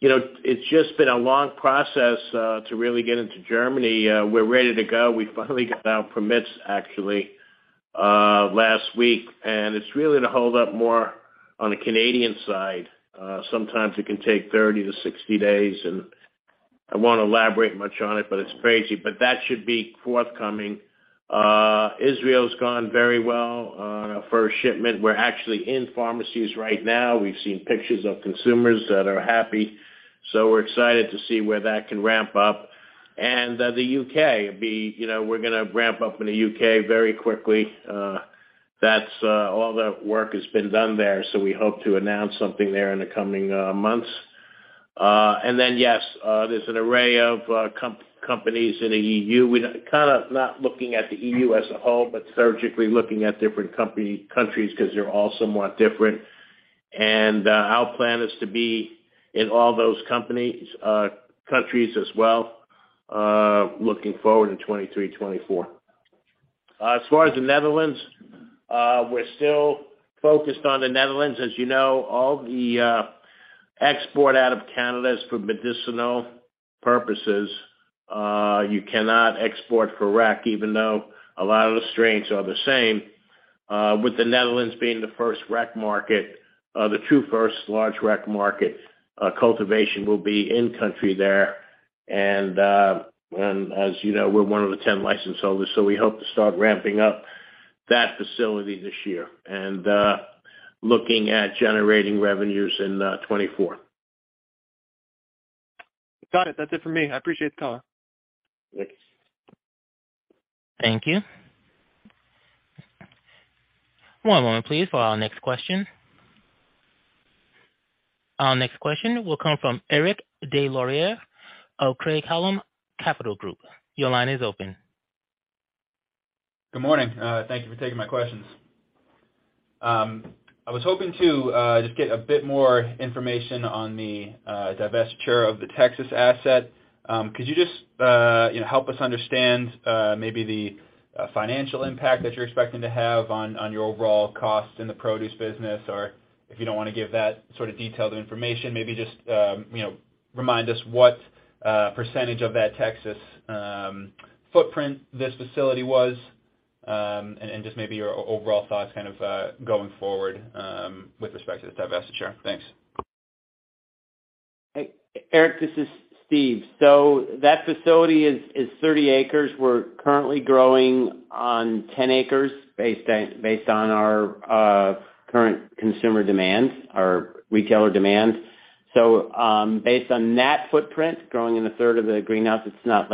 you know, it's just been a long process to really get into Germany. We're ready to go. We finally got our permits actually last week. It's really to hold up more on the Canadian side. Sometimes it can take 30-60 days, I won't elaborate much on it, but it's crazy. That should be forthcoming. Israel's gone very well on our first shipment. We're actually in pharmacies right now. We've seen pictures of consumers that are happy, we're excited to see where that can ramp up. The U.K., you know, we're gonna ramp up in the U.K. very quickly. That's all the work has been done there, so we hope to announce something there in the coming months. Yes, there's an array of companies in the EU. We're kinda not looking at the EU as a whole, but surgically looking at different countries because they're all somewhat different. Our plan is to be in all those countries as well, looking forward to 2023, 2024. As far as the Netherlands, we're still focused on the Netherlands. As you know, all the export out of Canada is for medicinal purposes. You cannot export for rec, even though a lot of the strains are the same. With the Netherlands being the first rec market, the two first large rec market, cultivation will be in country there. As you know, we're one of the 10 license holders, so we hope to start ramping up that facility this year and looking at generating revenues in 2024. Got it. That's it for me. I appreciate the call. Thanks. Thank you. One moment, please, for our next question. Our next question will come from Eric Des Lauriers of Craig-Hallum Capital Group. Your line is open. Good morning. Thank you for taking my questions. I was hoping to just get a bit more information on the divestiture of the Texas asset. Could you just, you know, help us understand maybe the financial impact that you're expecting to have on your overall costs in the produce business? Or if you don't wanna give that sort of detailed information, maybe just, you know, remind us what percentage of that Texas footprint this facility was, and just maybe your overall thoughts kind of going forward with respect to the divestiture. Thanks. Eric, this is Steve. That facility is 30 acres. We're currently growing on 10 acres based on our current consumer demands or retailer demands. Based on that footprint, growing in a third of the greenhouse, it's not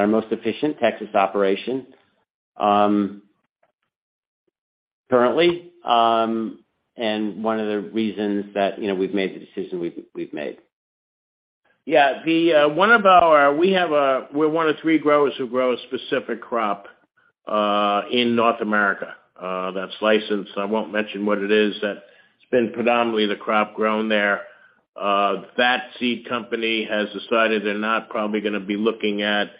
our most efficient Texas operation, currently, and one of the reasons that, you know, we've made the decision we've made. Yeah. We're one of three growers who grow a specific crop in North America that's licensed. I won't mention what it is. That's been predominantly the crop grown there. That seed company has decided they're not probably gonna be looking at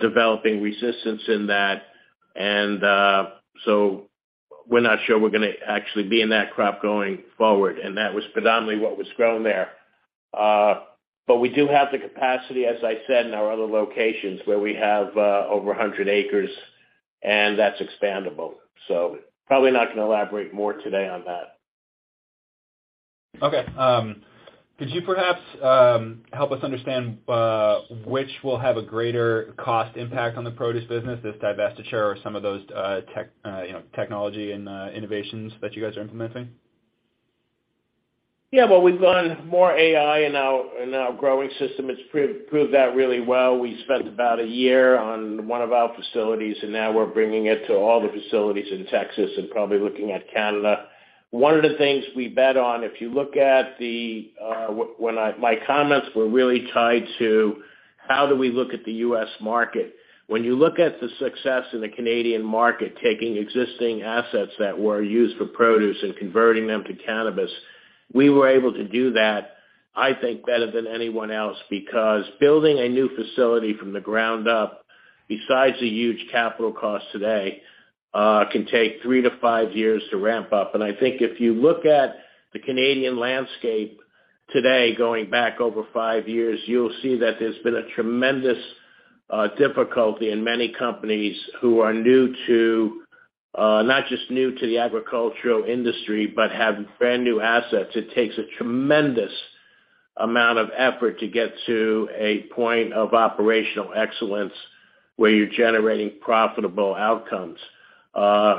developing resistance in that. We're not sure we're gonna actually be in that crop going forward, and that was predominantly what was grown there. We do have the capacity, as I said, in our other locations where we have over 100 acres, and that's expandable. Probably not gonna elaborate more today on that. Could you perhaps help us understand which will have a greater cost impact on the produce business, this divestiture or some of those tech, you know, technology and innovations that you guys are implementing? Yeah. Well, we've gone more AI in our growing system. It's proved out really well. We spent about one year on one of our facilities. Now we're bringing it to all the facilities in Texas and probably looking at Canada. One of the things we bet on, if you look at the, my comments were really tied to how do we look at the U.S. market. When you look at the success in the Canadian market, taking existing assets that were used for produce and converting them to cannabis, we were able to do that, I think, better than anyone else because building a new facility from the ground up, besides the huge capital costs today, can take three to five years to ramp up. I think if you look at the Canadian landscape today, going back over five years, you'll see that there's been a tremendous difficulty in many companies who are new to, not just new to the agricultural industry, but have brand-new assets. It takes a tremendous amount of effort to get to a point of operational excellence where you're generating profitable outcomes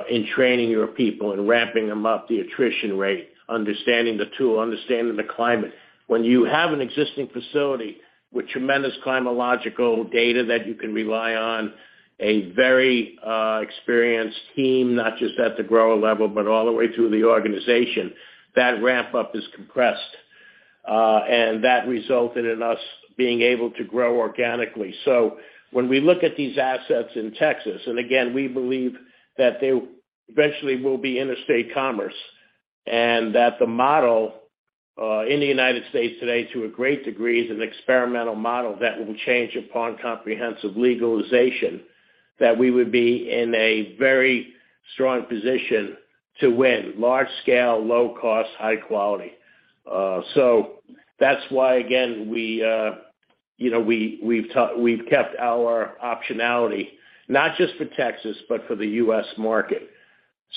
in training your people and ramping them up the attrition rate, understanding the tool, understanding the climate. When you have an existing facility with tremendous climatological data that you can rely on, a very experienced team, not just at the grower level, but all the way through the organization, that ramp-up is compressed, and that resulted in us being able to grow organically. When we look at these assets in Texas, again, we believe that they eventually will be interstate commerce, and that the model in the United States today, to a great degree, is an experimental model that will change upon comprehensive legalization, that we would be in a very strong position to win large scale, low cost, high quality. That's why, again, we, you know, we've kept our optionality, not just for Texas, but for the U.S. market.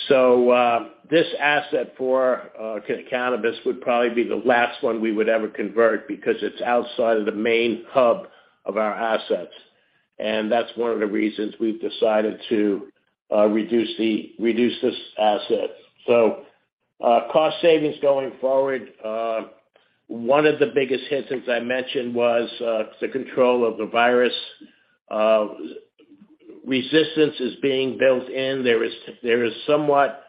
This asset for cannabis would probably be the last one we would ever convert because it's outside of the main hub of our assets. That's one of the reasons we've decided to reduce this asset. Cost savings going forward, one of the biggest hits, as I mentioned, was the control of the virus. Resistance is being built in. There is somewhat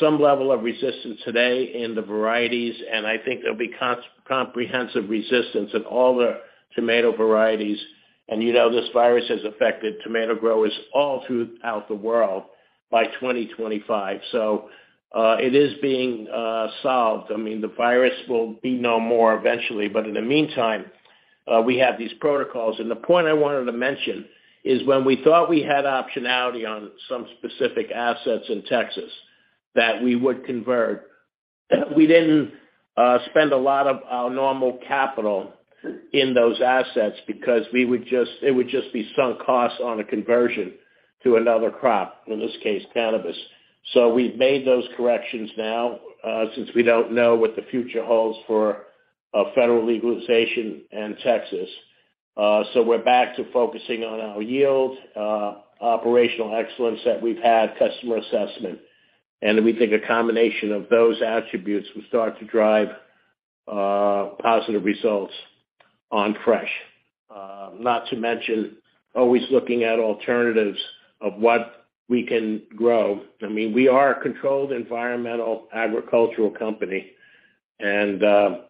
some level of resistance today in the varieties, and I think there'll be comprehensive resistance in all the tomato varieties. You know this virus has affected tomato growers all throughout the world by 2025. It is being solved. I mean, the virus will be no more eventually, but in the meantime, we have these protocols. The point I wanted to mention is when we thought we had optionality on some specific assets in Texas that we would convert, we didn't spend a lot of our normal capital in those assets because it would just be sunk costs on a conversion to another crop, in this case, cannabis. We've made those corrections now since we don't know what the future holds for federal legalization in Texas. We're back to focusing on our yield, operational excellence that we've had, customer assessment. We think a combination of those attributes will start to drive positive results on fresh. Not to mention, always looking at alternatives of what we can grow. I mean, we are a controlled environmental agricultural company, and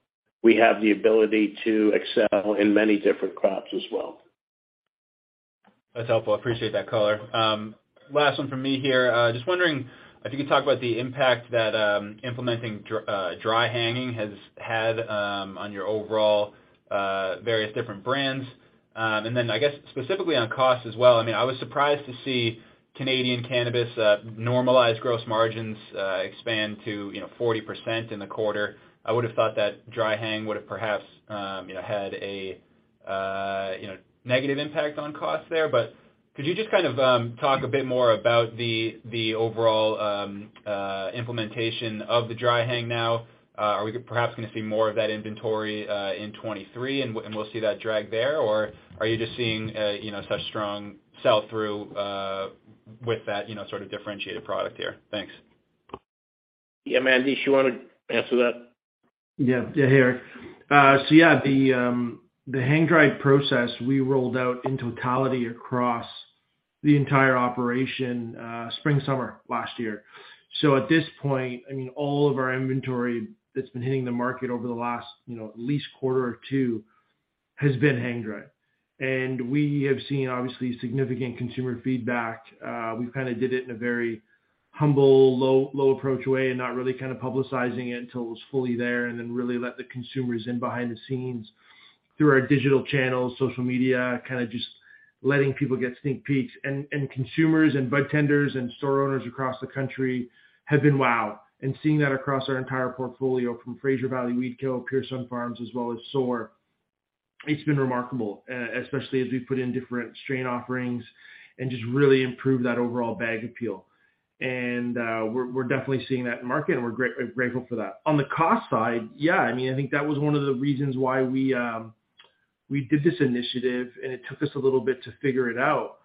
we have the ability to excel in many different crops as well. That's helpful. Appreciate that color. Last one from me here. Just wondering if you could talk about the impact that implementing dry hanging has had on your overall various different brands. Then I guess specifically on cost as well, I mean, I was surprised to see Canadian Cannabis normalized gross margins expand to, you know, 40% in the quarter. I would have thought that dry hang would have perhaps, you know, had a, you know, negative impact on cost there. Could you just kind of talk a bit more about the overall implementation of the dry hang now? Are we perhaps gonna see more of that inventory in 2023 and we'll see that drag there? Are you just seeing, you know, such strong sell-through, with that, you know, sort of differentiated product here? Thanks. Yeah, Mandesh, you wanna answer that? Yeah. Yeah, here. The hang dry process we rolled out in totality across the entire operation, spring, summer last year. At this point, I mean, all of our inventory that's been hitting the market over the last, you know, at least quarter or two has been hang dried. We have seen obviously significant consumer feedback. We've kind of did it in a very humble, low approach way and not really kind of publicizing it until it was fully there and then really let the consumers in behind the scenes through our digital channels, social media, kind of just letting people get sneak peeks. Consumers and budtenders and store owners across the country have been wowed. Seeing that across our entire portfolio from Fraser Valley Weed Co, Pure Sunfarms, as well as Soar, it's been remarkable, especially as we put in different strain offerings and just really improve that overall bag appeal. We're definitely seeing that in market, and we're grateful for that. On the cost side, I mean, I think that was one of the reasons why we did this initiative, and it took us a little bit to figure it out.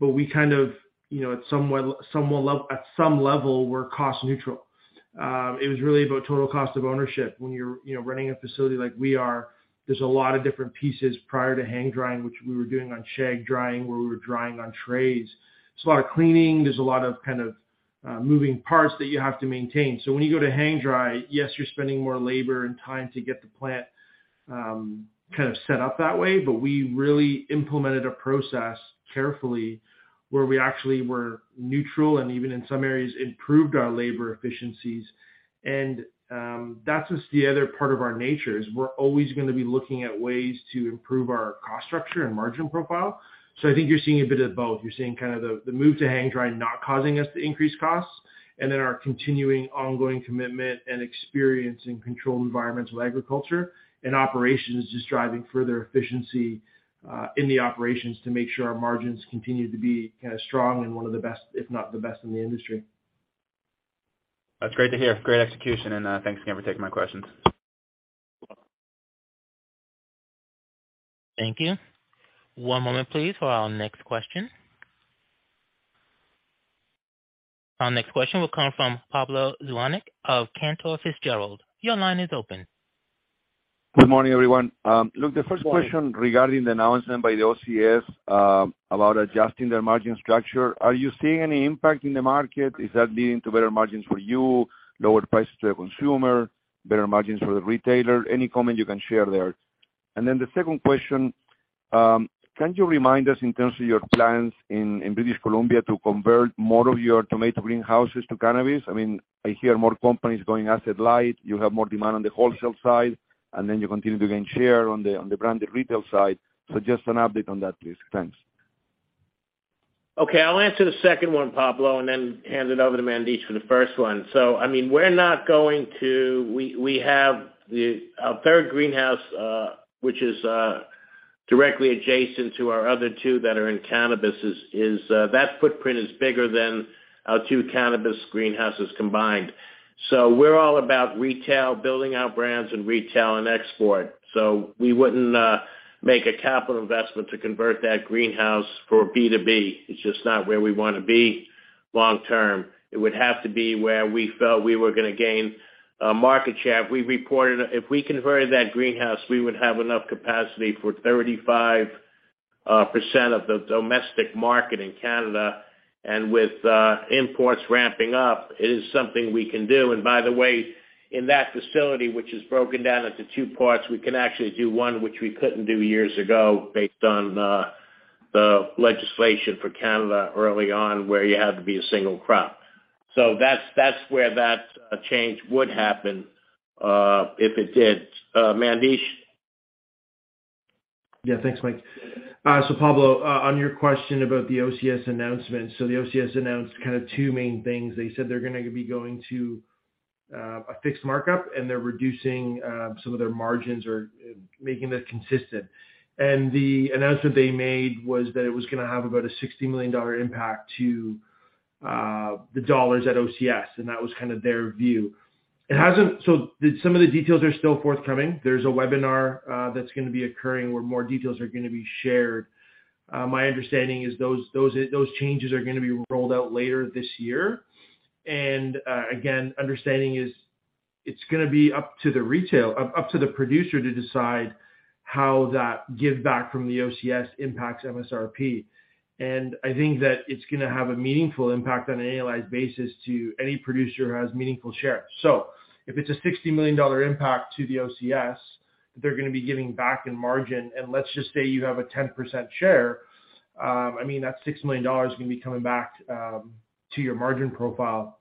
We kind of, you know, at somewhat at some level, we're cost neutral. It was really about total cost of ownership. When you're, you know, running a facility like we are, there's a lot of different pieces prior to hang drying, which we were doing on rack drying, where we were drying on trays. There's a lot of cleaning, there's a lot of kind of moving parts that you have to maintain. When you go to hang dry, yes, you're spending more labor and time to get the plant kind of set up that way, but we really implemented a process carefully where we actually were neutral and even in some areas improved our labor efficiencies. That's just the other part of our nature, is we're always gonna be looking at ways to improve our cost structure and margin profile. I think you're seeing a bit of both. You're seeing kind of the move to hang dry not causing us to increase costs. Our continuing ongoing commitment and experience in controlled environmental agriculture and operations just driving further efficiency in the operations to make sure our margins continue to be kinda strong and one of the best, if not the best in the industry. That's great to hear. Great execution, and, thanks again for taking my questions. You're welcome. Thank you. One moment, please, for our next question. Our next question will come from Pablo Zuanic of Cantor Fitzgerald. Your line is open. Good morning, everyone. look, the first question. Good morning. Regarding the announcement by the OCS about adjusting their margin structure. Are you seeing any impact in the market? Is that leading to better margins for you, lower prices to the consumer, better margins for the retailer? Any comment you can share there. The second question, can you remind us in terms of your plans in British Columbia to convert more of your tomato greenhouses to cannabis? I mean, I hear more companies going asset light. You have more demand on the wholesale side, you continue to gain share on the branded retail side. Just an update on that, please. Thanks. Okay. I'll answer the second one, Pablo, and then hand it over to Mandesh for the first one. I mean, we're not going to. We have our third greenhouse, which is directly adjacent to our other two that are in cannabis, is that footprint is bigger than our two cannabis greenhouses combined. We're all about retail, building our brands and retail and export. We wouldn't make a capital investment to convert that greenhouse for B2B. It's just not where we wanna be. Long term, it would have to be where we felt we were gonna gain market share. If we converted that greenhouse, we would have enough capacity for 35% of the domestic market in Canada. With imports ramping up, it is something we can do. By the way, in that facility, which is broken down into two parts, we can actually do one which we couldn't do years ago based on the legislation for Canada early on, where you had to be a single crop. That's, that's where that change would happen if it did. Mandesh. Yeah. Thanks, Michael DeGiglio. Pablo Zuanic, on your question about the OCS announcement. The OCS announced kind of two main things. They said they're gonna be going to a fixed markup, and they're reducing some of their margins or making them consistent. The announcement they made was that it was gonna have about a $60 million impact to the dollars at OCS, and that was kind of their view. Some of the details are still forthcoming. There's a webinar that's gonna be occurring where more details are gonna be shared. My understanding is those changes are gonna be rolled out later this year. Again, understanding is it's gonna be up to the producer to decide how that giveback from the OCS impacts MSRP. I think that it's gonna have a meaningful impact on an annualized basis to any producer who has meaningful share. If it's a $60 million impact to the OCS, they're gonna be giving back in margin, and let's just say you have a 10% share, I mean, that $6 million is gonna be coming back to your margin profile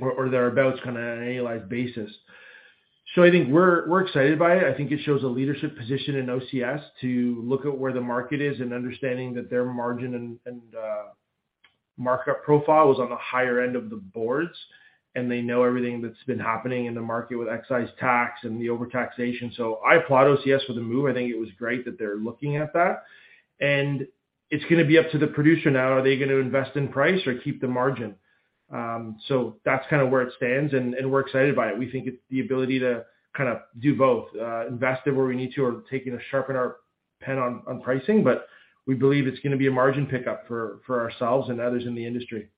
or thereabout kind of on an annualized basis. I think we're excited by it. I think it shows a leadership position in OCS to look at where the market is and understanding that their margin and markup profile was on the higher end of the boards, and they know everything that's been happening in the market with excise tax and the overtaxation. I applaud OCS for the move. I think it was great that they're looking at that. It's gonna be up to the producer now, are they gonna invest in price or keep the margin? That's kind of where it stands, and we're excited by it. We think it's the ability to kind of do both, invest it where we need to or taking a sharpen our pen on pricing. We believe it's gonna be a margin pickup for ourselves and others in the industry.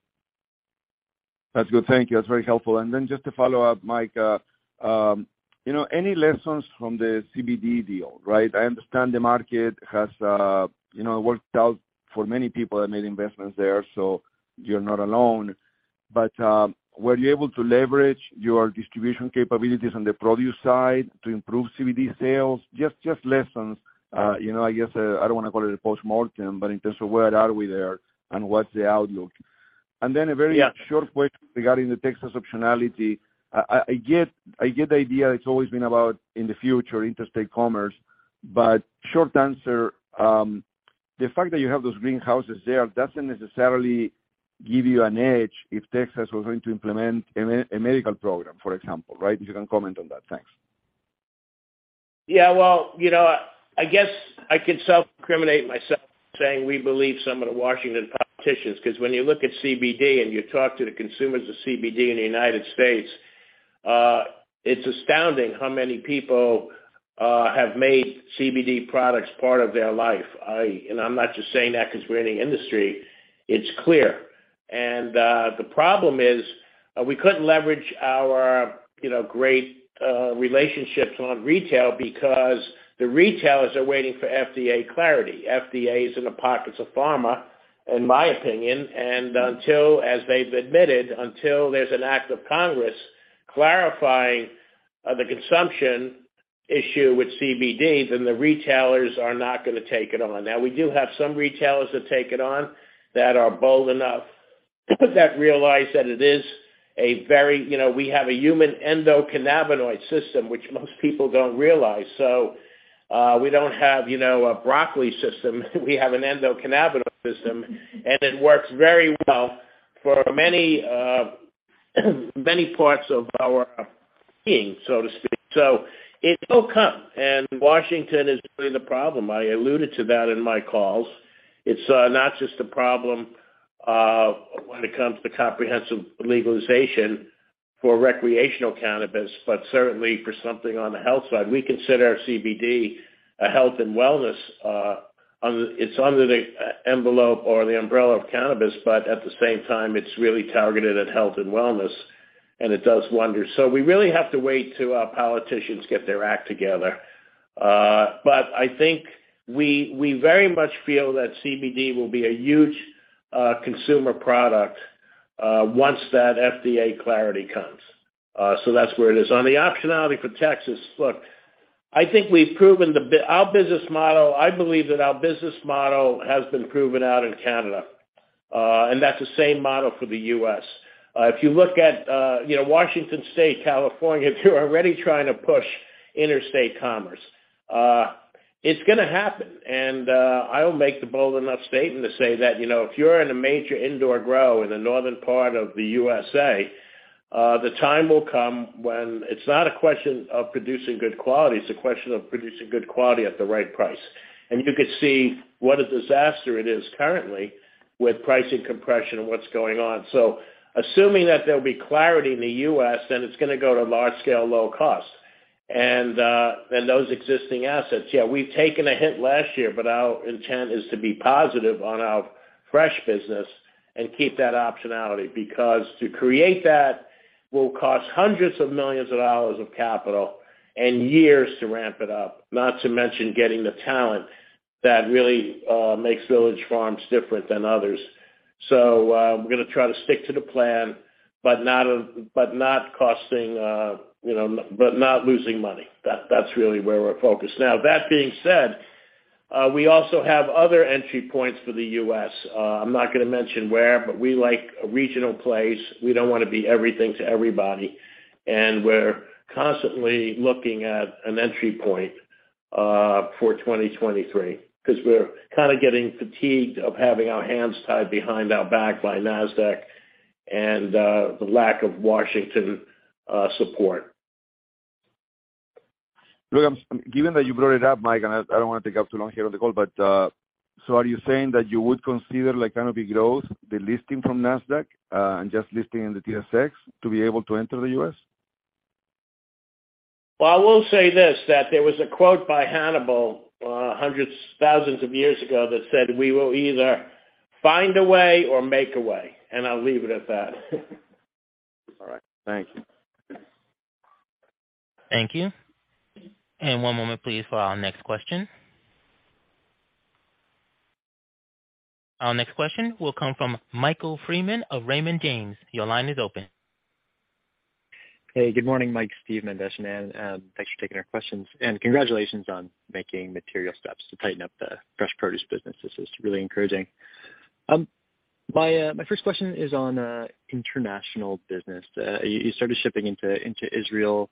That's good. Thank you. That's very helpful. Then just to follow up, Mike, you know, any lessons from the CBD deal, right? I understand the market has, you know, worked out for many people that made investments there, so you're not alone. Were you able to leverage your distribution capabilities on the produce side to improve CBD sales? Just lessons, you know, I guess, I don't wanna call it a postmortem, but in terms of where are we there and what's the outlook. Then a very. Yeah. -short question regarding the Texas optionality. I get the idea it's always been about in the future interstate commerce. Short answer, the fact that you have those greenhouses there doesn't necessarily give you an edge if Texas was going to implement a medical program, for example, right? If you can comment on that. Thanks. Yeah. Well, you know, I guess I could self-incriminate myself saying we believe some of the Washington politicians, 'cause when you look at CBD and you talk to the consumers of CBD in the United States, it's astounding how many people have made CBD products part of their life. I'm not just saying that 'cause we're in the industry. It's clear. The problem is, we couldn't leverage our, you know, great relationships on retail because the retailers are waiting for FDA clarity. FDA is in the pockets of pharma, in my opinion. Until, as they've admitted, until there's an act of Congress clarifying the consumption issue with CBD, then the retailers are not gonna take it on. We do have some retailers that take it on that are bold enough, that realize that it is a very... You know, we have a human endocannabinoid system which most people don't realize. We don't have, you know, a broccoli system. We have an endocannabinoid system, and it works very well for many, many parts of our being, so to speak. It will come, and Washington is really the problem. I alluded to that in my calls. It's not just a problem when it comes to comprehensive legalization for recreational cannabis, but certainly for something on the health side. We consider our CBD a health and wellness. It's under the e-envelope or the umbrella of cannabis, but at the same time, it's really targeted at health and wellness, and it does wonders. We really have to wait till our politicians get their act together. I think we very much feel that CBD will be a huge consumer product once that FDA clarity comes. That's where it is. On the optionality for Texas, look, I think we've proven Our business model, I believe that our business model has been proven out in Canada, and that's the same model for the US. If you look at, you know, Washington State, California, they're already trying to push interstate commerce. It's gonna happen. I'll make the bold enough statement to say that, you know, if you're in a major indoor grow in the northern part of the USA, the time will come when it's not a question of producing good quality, it's a question of producing good quality at the right price. You could see what a disaster it is currently with pricing compression and what's going on. Assuming that there'll be clarity in the U.S., then it's gonna go to large scale, low cost. Those existing assets. Yeah, we've taken a hit last year, but our intent is to be positive on our fresh business and keep that optionality. Because to create that will cost hundreds of millions of dollars of capital and years to ramp it up, not to mention getting the talent that really makes Village Farms different than others. We're gonna try to stick to the plan, but not costing, you know, but not losing money. That's really where we're focused. Now, that being said, we also have other entry points for the U.S. I'm not gonna mention where, but we like a regional place. We don't wanna be everything to everybody. We're constantly looking at an entry point for 2023, 'cause we're kinda getting fatigued of having our hands tied behind our back by Nasdaq and the lack of Washington support. Given that you brought it up, Mike, and I don't wanna take up too long here on the call, but, so are you saying that you would consider like Canopy Growth, the listing from Nasdaq, and just listing in the TSX to be able to enter the U.S.? Well, I will say this, that there was a quote by Hannibal, hundreds, thousands of years ago that said, "We will either find a way or make a way," and I'll leave it at that. All right. Thank you. Thank you. One moment please for our next question. Our next question will come from Michael Freeman of Raymond James. Your line is open. Hey, good morning, Mike, Steve, Mandesh, and Ann. Thanks for taking our questions, and congratulations on making material steps to tighten up the fresh produce business. This is really encouraging. My first question is on international business. You started shipping into Israel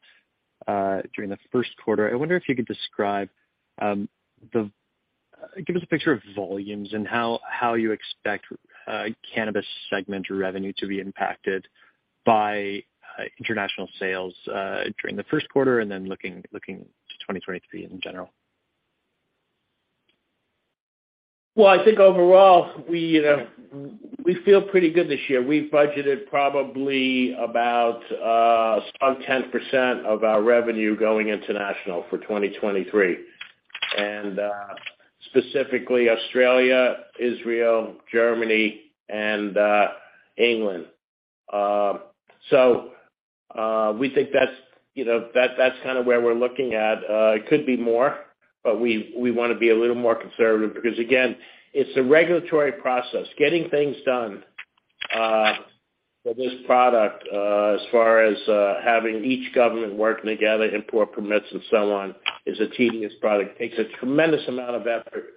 during the first quarter. I wonder if you could describe give us a picture of volumes and how you expect cannabis segment revenue to be impacted by international sales during the first quarter and then looking to 2023 in general. I think overall, we, you know, we feel pretty good this year. We budgeted probably about sub 10% of our revenue going international for 2023, specifically Australia, Israel, Germany, and England. We think that's, you know, that's kind of where we're looking at. It could be more, but we wanna be a little more conservative because again, it's a regulatory process. Getting things done for this product, as far as having each government working together, import permits and so on, is a tedious product. It takes a tremendous amount of effort.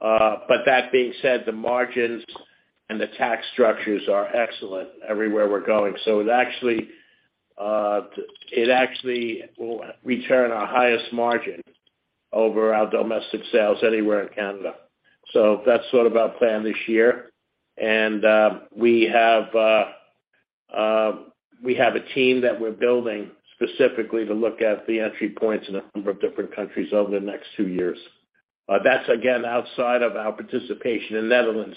But that being said, the margins and the tax structures are excellent everywhere we're going. It actually will return our highest margin over our domestic sales anywhere in Canada. That's sort of our plan this year. We have a team that we're building specifically to look at the entry points in a number of different countries over the next two years. That's again, outside of our participation in Netherlands.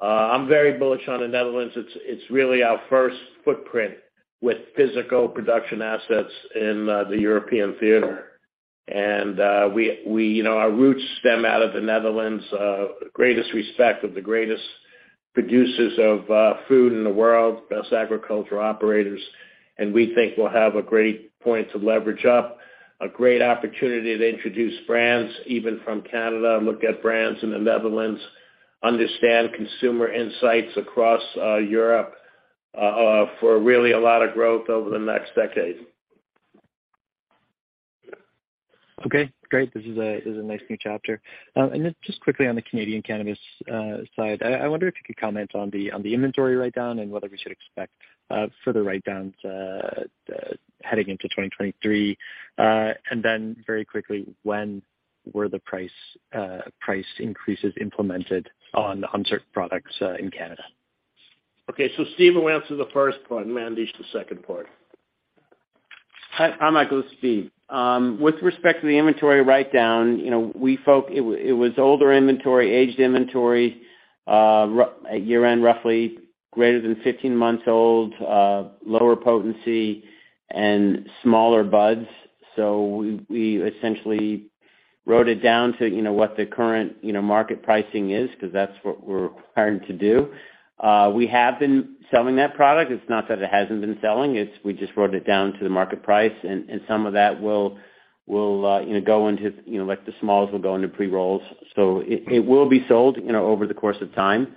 I'm very bullish on the Netherlands. It's really our first footprint with physical production assets in the European theater. We, you know, our roots stem out of the Netherlands, greatest respect of the greatest producers of food in the world, best agriculture operators, and we think we'll have a great point to leverage up, a great opportunity to introduce brands even from Canada, look at brands in the Netherlands, understand consumer insights across Europe for really a lot of growth over the next decade. Okay, great. This is a nice new chapter. Just quickly on the Canadian cannabis side. I wonder if you could comment on the inventory write-down and whether we should expect further write-downs heading into 2023. Very quickly, when were the price increases implemented on the certain products in Canada? Okay, Steve will answer the first part and Mandesh the second part. Hi, Michael, it's Steve. With respect to the inventory write-down, you know, it was older inventory, aged inventory, at year-end roughly greater than 15 months old, lower potency and smaller buds. We essentially wrote it down to, you know, what the current, you know, market pricing is because that's what we're required to do. We have been selling that product. It's not that it hasn't been selling. We just wrote it down to the market price and some of that will go into, you know, like the smalls will go into pre-rolls. It will be sold, you know, over the course of time,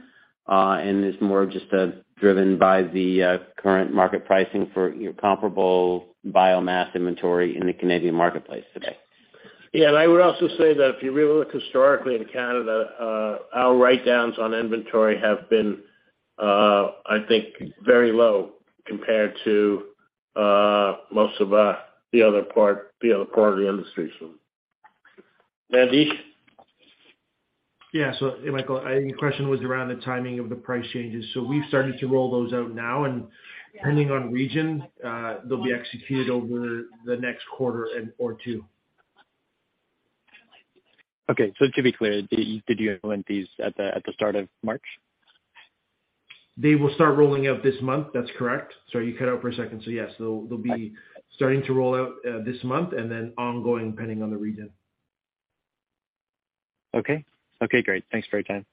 and it's more just driven by the current market pricing for your comparable biomass inventory in the Canadian marketplace today. I would also say that if you really look historically in Canada, our write-downs on inventory have been, I think very low compared to most of the other part of the industry. Mandesh? Yeah. Michael, your question was around the timing of the price changes. We've started to roll those out now, depending on region, they'll be executed over the next quarter or two. Okay. to be clear, did you implement these at the start of March? They will start rolling out this month. That's correct. Sorry, you cut out for a second. Yes, they'll be starting to roll out this month and then ongoing pending on the region. Okay. Okay, great. Thanks for your time.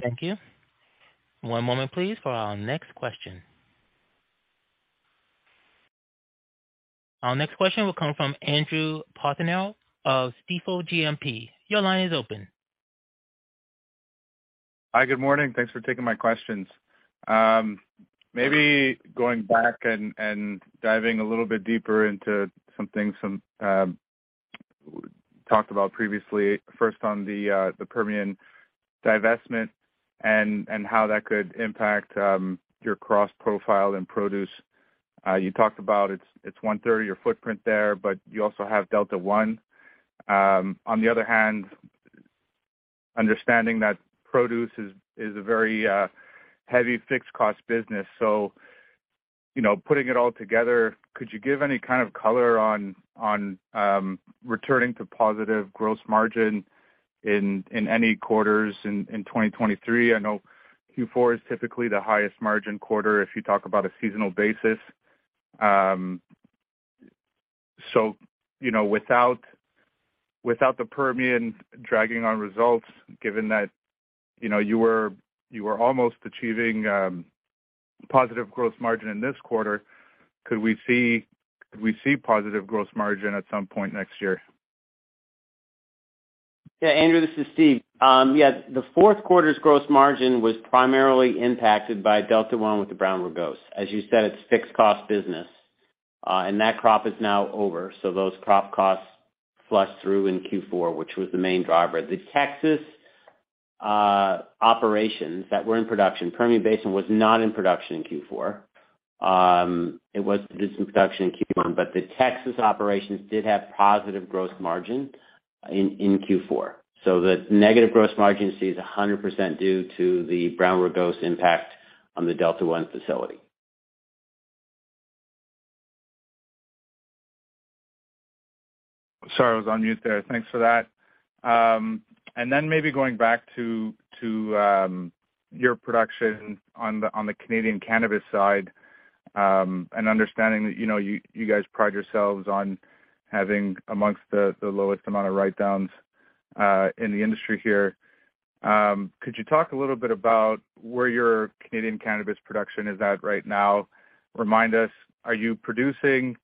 Thank you. One moment please for our next question. Our next question will come from Andrew Partheniou of Stifel GMP. Your line is open. Hi. Good morning. Thanks for taking my questions. Maybe going back and diving a little bit deeper into something some talked about previously. First on the Permian divestment and how that could impact your cross profile and produce. You talked about it's one-third of your footprint there, but you also have Delta 1. On the other hand, understanding that produce is a very heavy fixed cost business. You know, putting it all together, could you give any kind of color on returning to positive gross margin in any quarters in 2023? I know Q4 is typically the highest margin quarter if you talk about a seasonal basis. You know, without the Permian dragging on results, given that, you know, you were almost achieving positive gross margin in this quarter, could we see positive gross margin at some point next year? Andrew, this is Steve. The fourth quarter's gross margin was primarily impacted by Delta 1 with the Brown Rugose. As you said, it's fixed cost business, that crop is now over. Those crop costs flushed through in Q4, which was the main driver. The Texas operations that were in production, Permian Basin was not in production in Q4. It was production in Q1, the Texas operations did have positive gross margin in Q4. The negative gross margin sees 100% due to the Brown Rugose impact on the Delta 1 facility. Sorry, I was on mute there. Thanks for that. Maybe going back to your production on the Canadian cannabis side, understanding that, you know, you guys pride yourselves on having amongst the lowest amount of write-downs in the industry here. Could you talk a little bit about where your Canadian cannabis production is at right now? Remind us, are you producing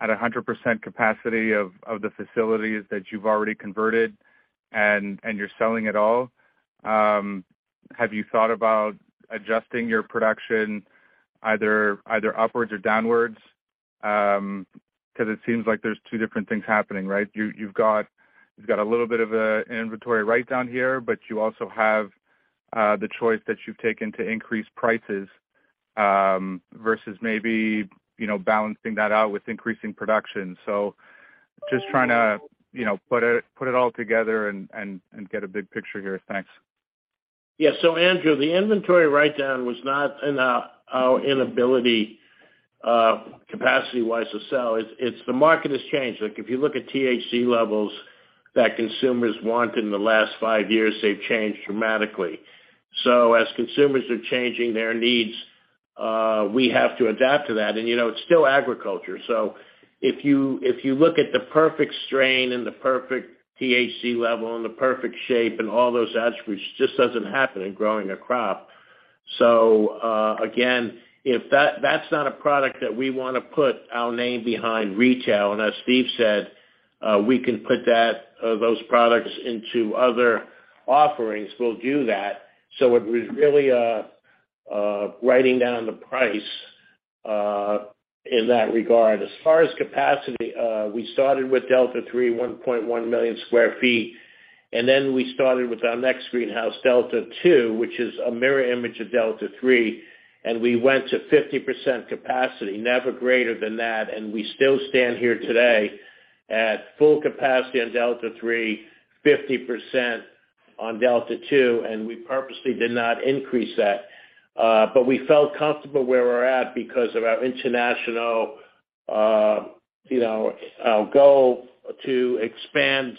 at 100% capacity of the facilities that you've already converted and you're selling it all? Have you thought about adjusting your production either upwards or downwards? It seems like there's two different things happening, right? You've got a little bit of a inventory write-down here. You also have the choice that you've taken to increase prices, versus maybe, you know, balancing that out with increasing production. Just trying to, you know, put it all together and get a big picture here. Thanks. Yeah. Andrew Partheniou, the inventory write-down was not in our inability, capacity-wise to sell. It's the market has changed. Like, if you look at THC levels that consumers want in the last five years, they've changed dramatically. As consumers are changing their needs, we have to adapt to that. You know, it's still agriculture. If you, if you look at the perfect strain and the perfect THC level and the perfect shape and all those attributes, it just doesn't happen in growing a crop. Again, if that's not a product that we wanna put our name behind retail. As Steve said, we can put that those products into other offerings, we'll do that. It was really writing down the price in that regard. As far as capacity, we started with Delta 3 1.1 million sq ft. Then we started with our next greenhouse Delta 2, which is a mirror image of Delta 3. We went to 50% capacity, never greater than that. We still stand here today at full capacity on Delta 3, 50% on Delta 2. We purposely did not increase that. We felt comfortable where we're at because of our international, you know, our goal to expand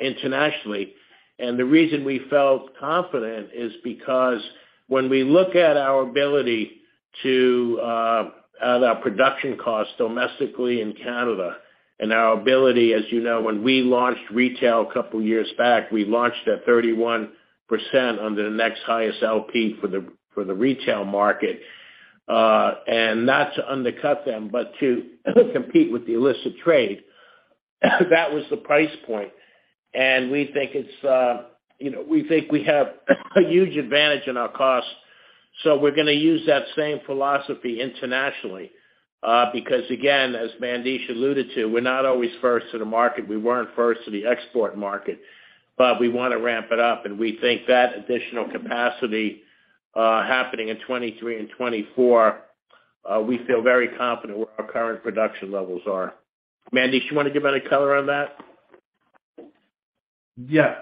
internationally. The reason we felt confident is because when we look at our ability to at our production costs domestically in Canada and our ability, as you know, when we launched retail a couple years back, we launched at 31% under the next highest LP for the retail market. Not to undercut them, but to compete with the illicit trade, that was the price point. We think it's, you know, we think we have a huge advantage in our costs. We're gonna use that same philosophy internationally, because again, as Mandesh alluded to, we're not always first to the market. We weren't first to the export market, but we wanna ramp it up. We think that additional capacity, happening in 2023 and 2024, we feel very confident where our current production levels are. Mandesh, you wanna give any color on that? Yeah.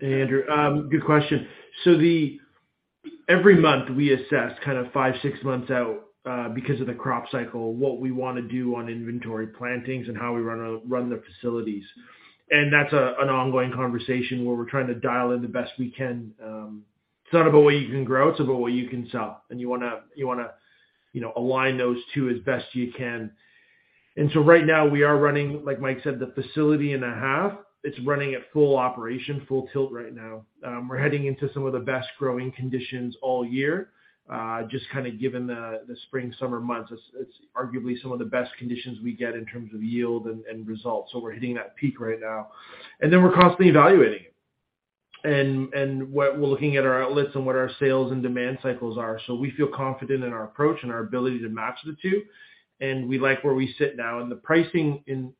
Hey, Andrew. Good question. Every month, we assess kind of five, six months out, because of the crop cycle, what we wanna do on inventory plantings and how we run the facilities. That's an ongoing conversation where we're trying to dial in the best we can. It's not about what you can grow, it's about what you can sell, and you wanna, you know, align those two as best you can. Right now we are running, like Mike said, the facility and a half. It's running at full operation, full tilt right now. We're heading into some of the best growing conditions all year, just kinda given the spring, summer months. It's arguably some of the best conditions we get in terms of yield and results. We're hitting that peak right now. We're constantly evaluating it. We're looking at our outlets and what our sales and demand cycles are. We feel confident in our approach and our ability to match the two, and we like where we sit now. The pricing and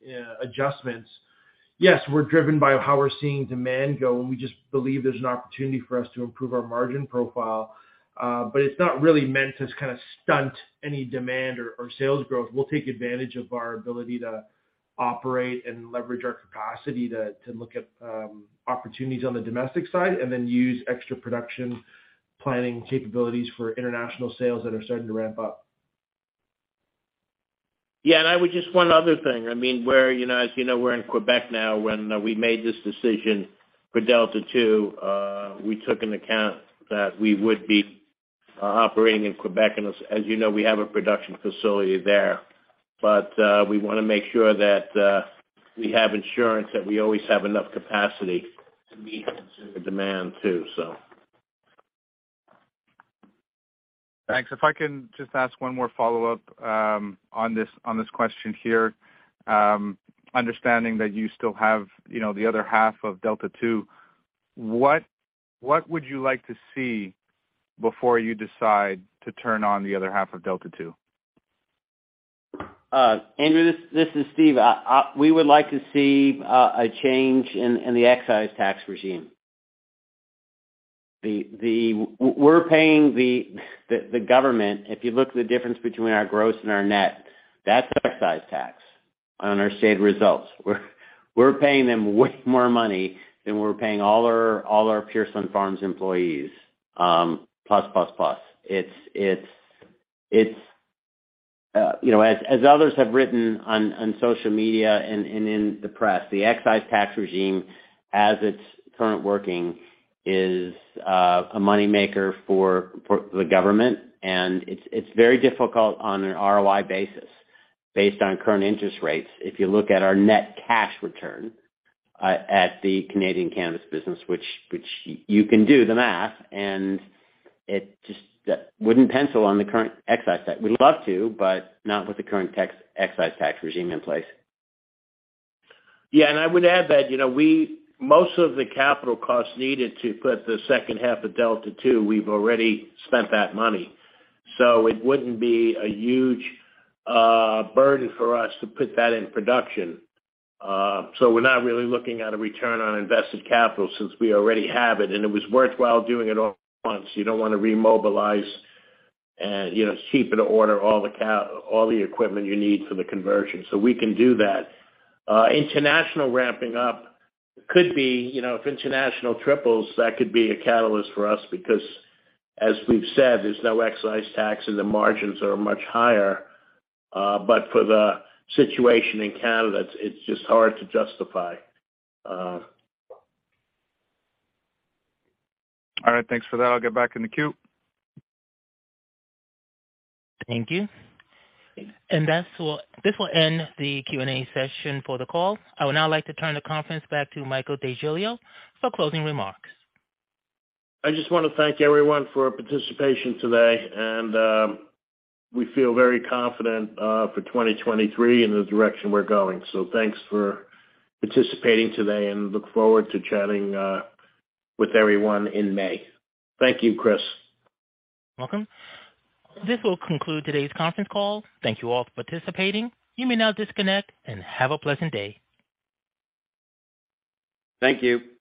adjustments, yes, we're driven by how we're seeing demand go, and we just believe there's an opportunity for us to improve our margin profile. It's not really meant to kind of stunt any demand or sales growth. We'll take advantage of our ability to operate and leverage our capacity to look at opportunities on the domestic side and use extra production planning capabilities for international sales that are starting to ramp up. Yeah. I would just one other thing. I mean, we're, you know, as you know, we're in Quebec now. When we made this decision for Delta 2, we took into account that we would be operating in Quebec. As you know, we have a production facility there. We wanna make sure that we have insurance, that we always have enough capacity to meet the demand too, so. Thanks. If I can just ask one more follow-up on this, on this question here. Understanding that you still have, you know, the other half of Delta 2, what would you like to see before you decide to turn on the other half of Delta 2? Andrew, this is Steve. We would like to see a change in the excise tax regime. We're paying the government, if you look at the difference between our gross and our net, that's excise tax on our stated results. We're paying them way more money than we're paying all our Pure Sunfarms employees, plus, plus. It's, you know, as others have written on social media and in the press, the excise tax regime as it's currently working is a money maker for the government, and it's very difficult on an ROI basis based on current interest rates if you look at our net cash return at the Canadian cannabis business, which you can do the math and it just wouldn't pencil on the current excise tax. We'd love to, but not with the current tax, excise tax regime in place. I would add that, you know, we most of the capital costs needed to put the second half of Delta 2, we've already spent that money. It wouldn't be a huge burden for us to put that in production. We're not really looking at a return on invested capital since we already have it, and it was worthwhile doing it all at once. You don't wanna remobilize and, you know, it's cheaper to order all the equipment you need for the conversion. We can do that. International ramping up could be, you know, if international triples, that could be a catalyst for us because as we've said, there's no excise tax and the margins are much higher. For the situation in Canada, it's just hard to justify. All right. Thanks for that. I'll get back in the queue. Thank you. This will end the Q&A session for the call. I would now like to turn the conference back to Michael DeGiglio for closing remarks. I just wanna thank everyone for participation today. We feel very confident for 2023 in the direction we're going. Thanks for participating today, and look forward to chatting with everyone in May. Thank you, Chris. Welcome. This will conclude today's conference call. Thank you all for participating. You may now disconnect and have a pleasant day. Thank you.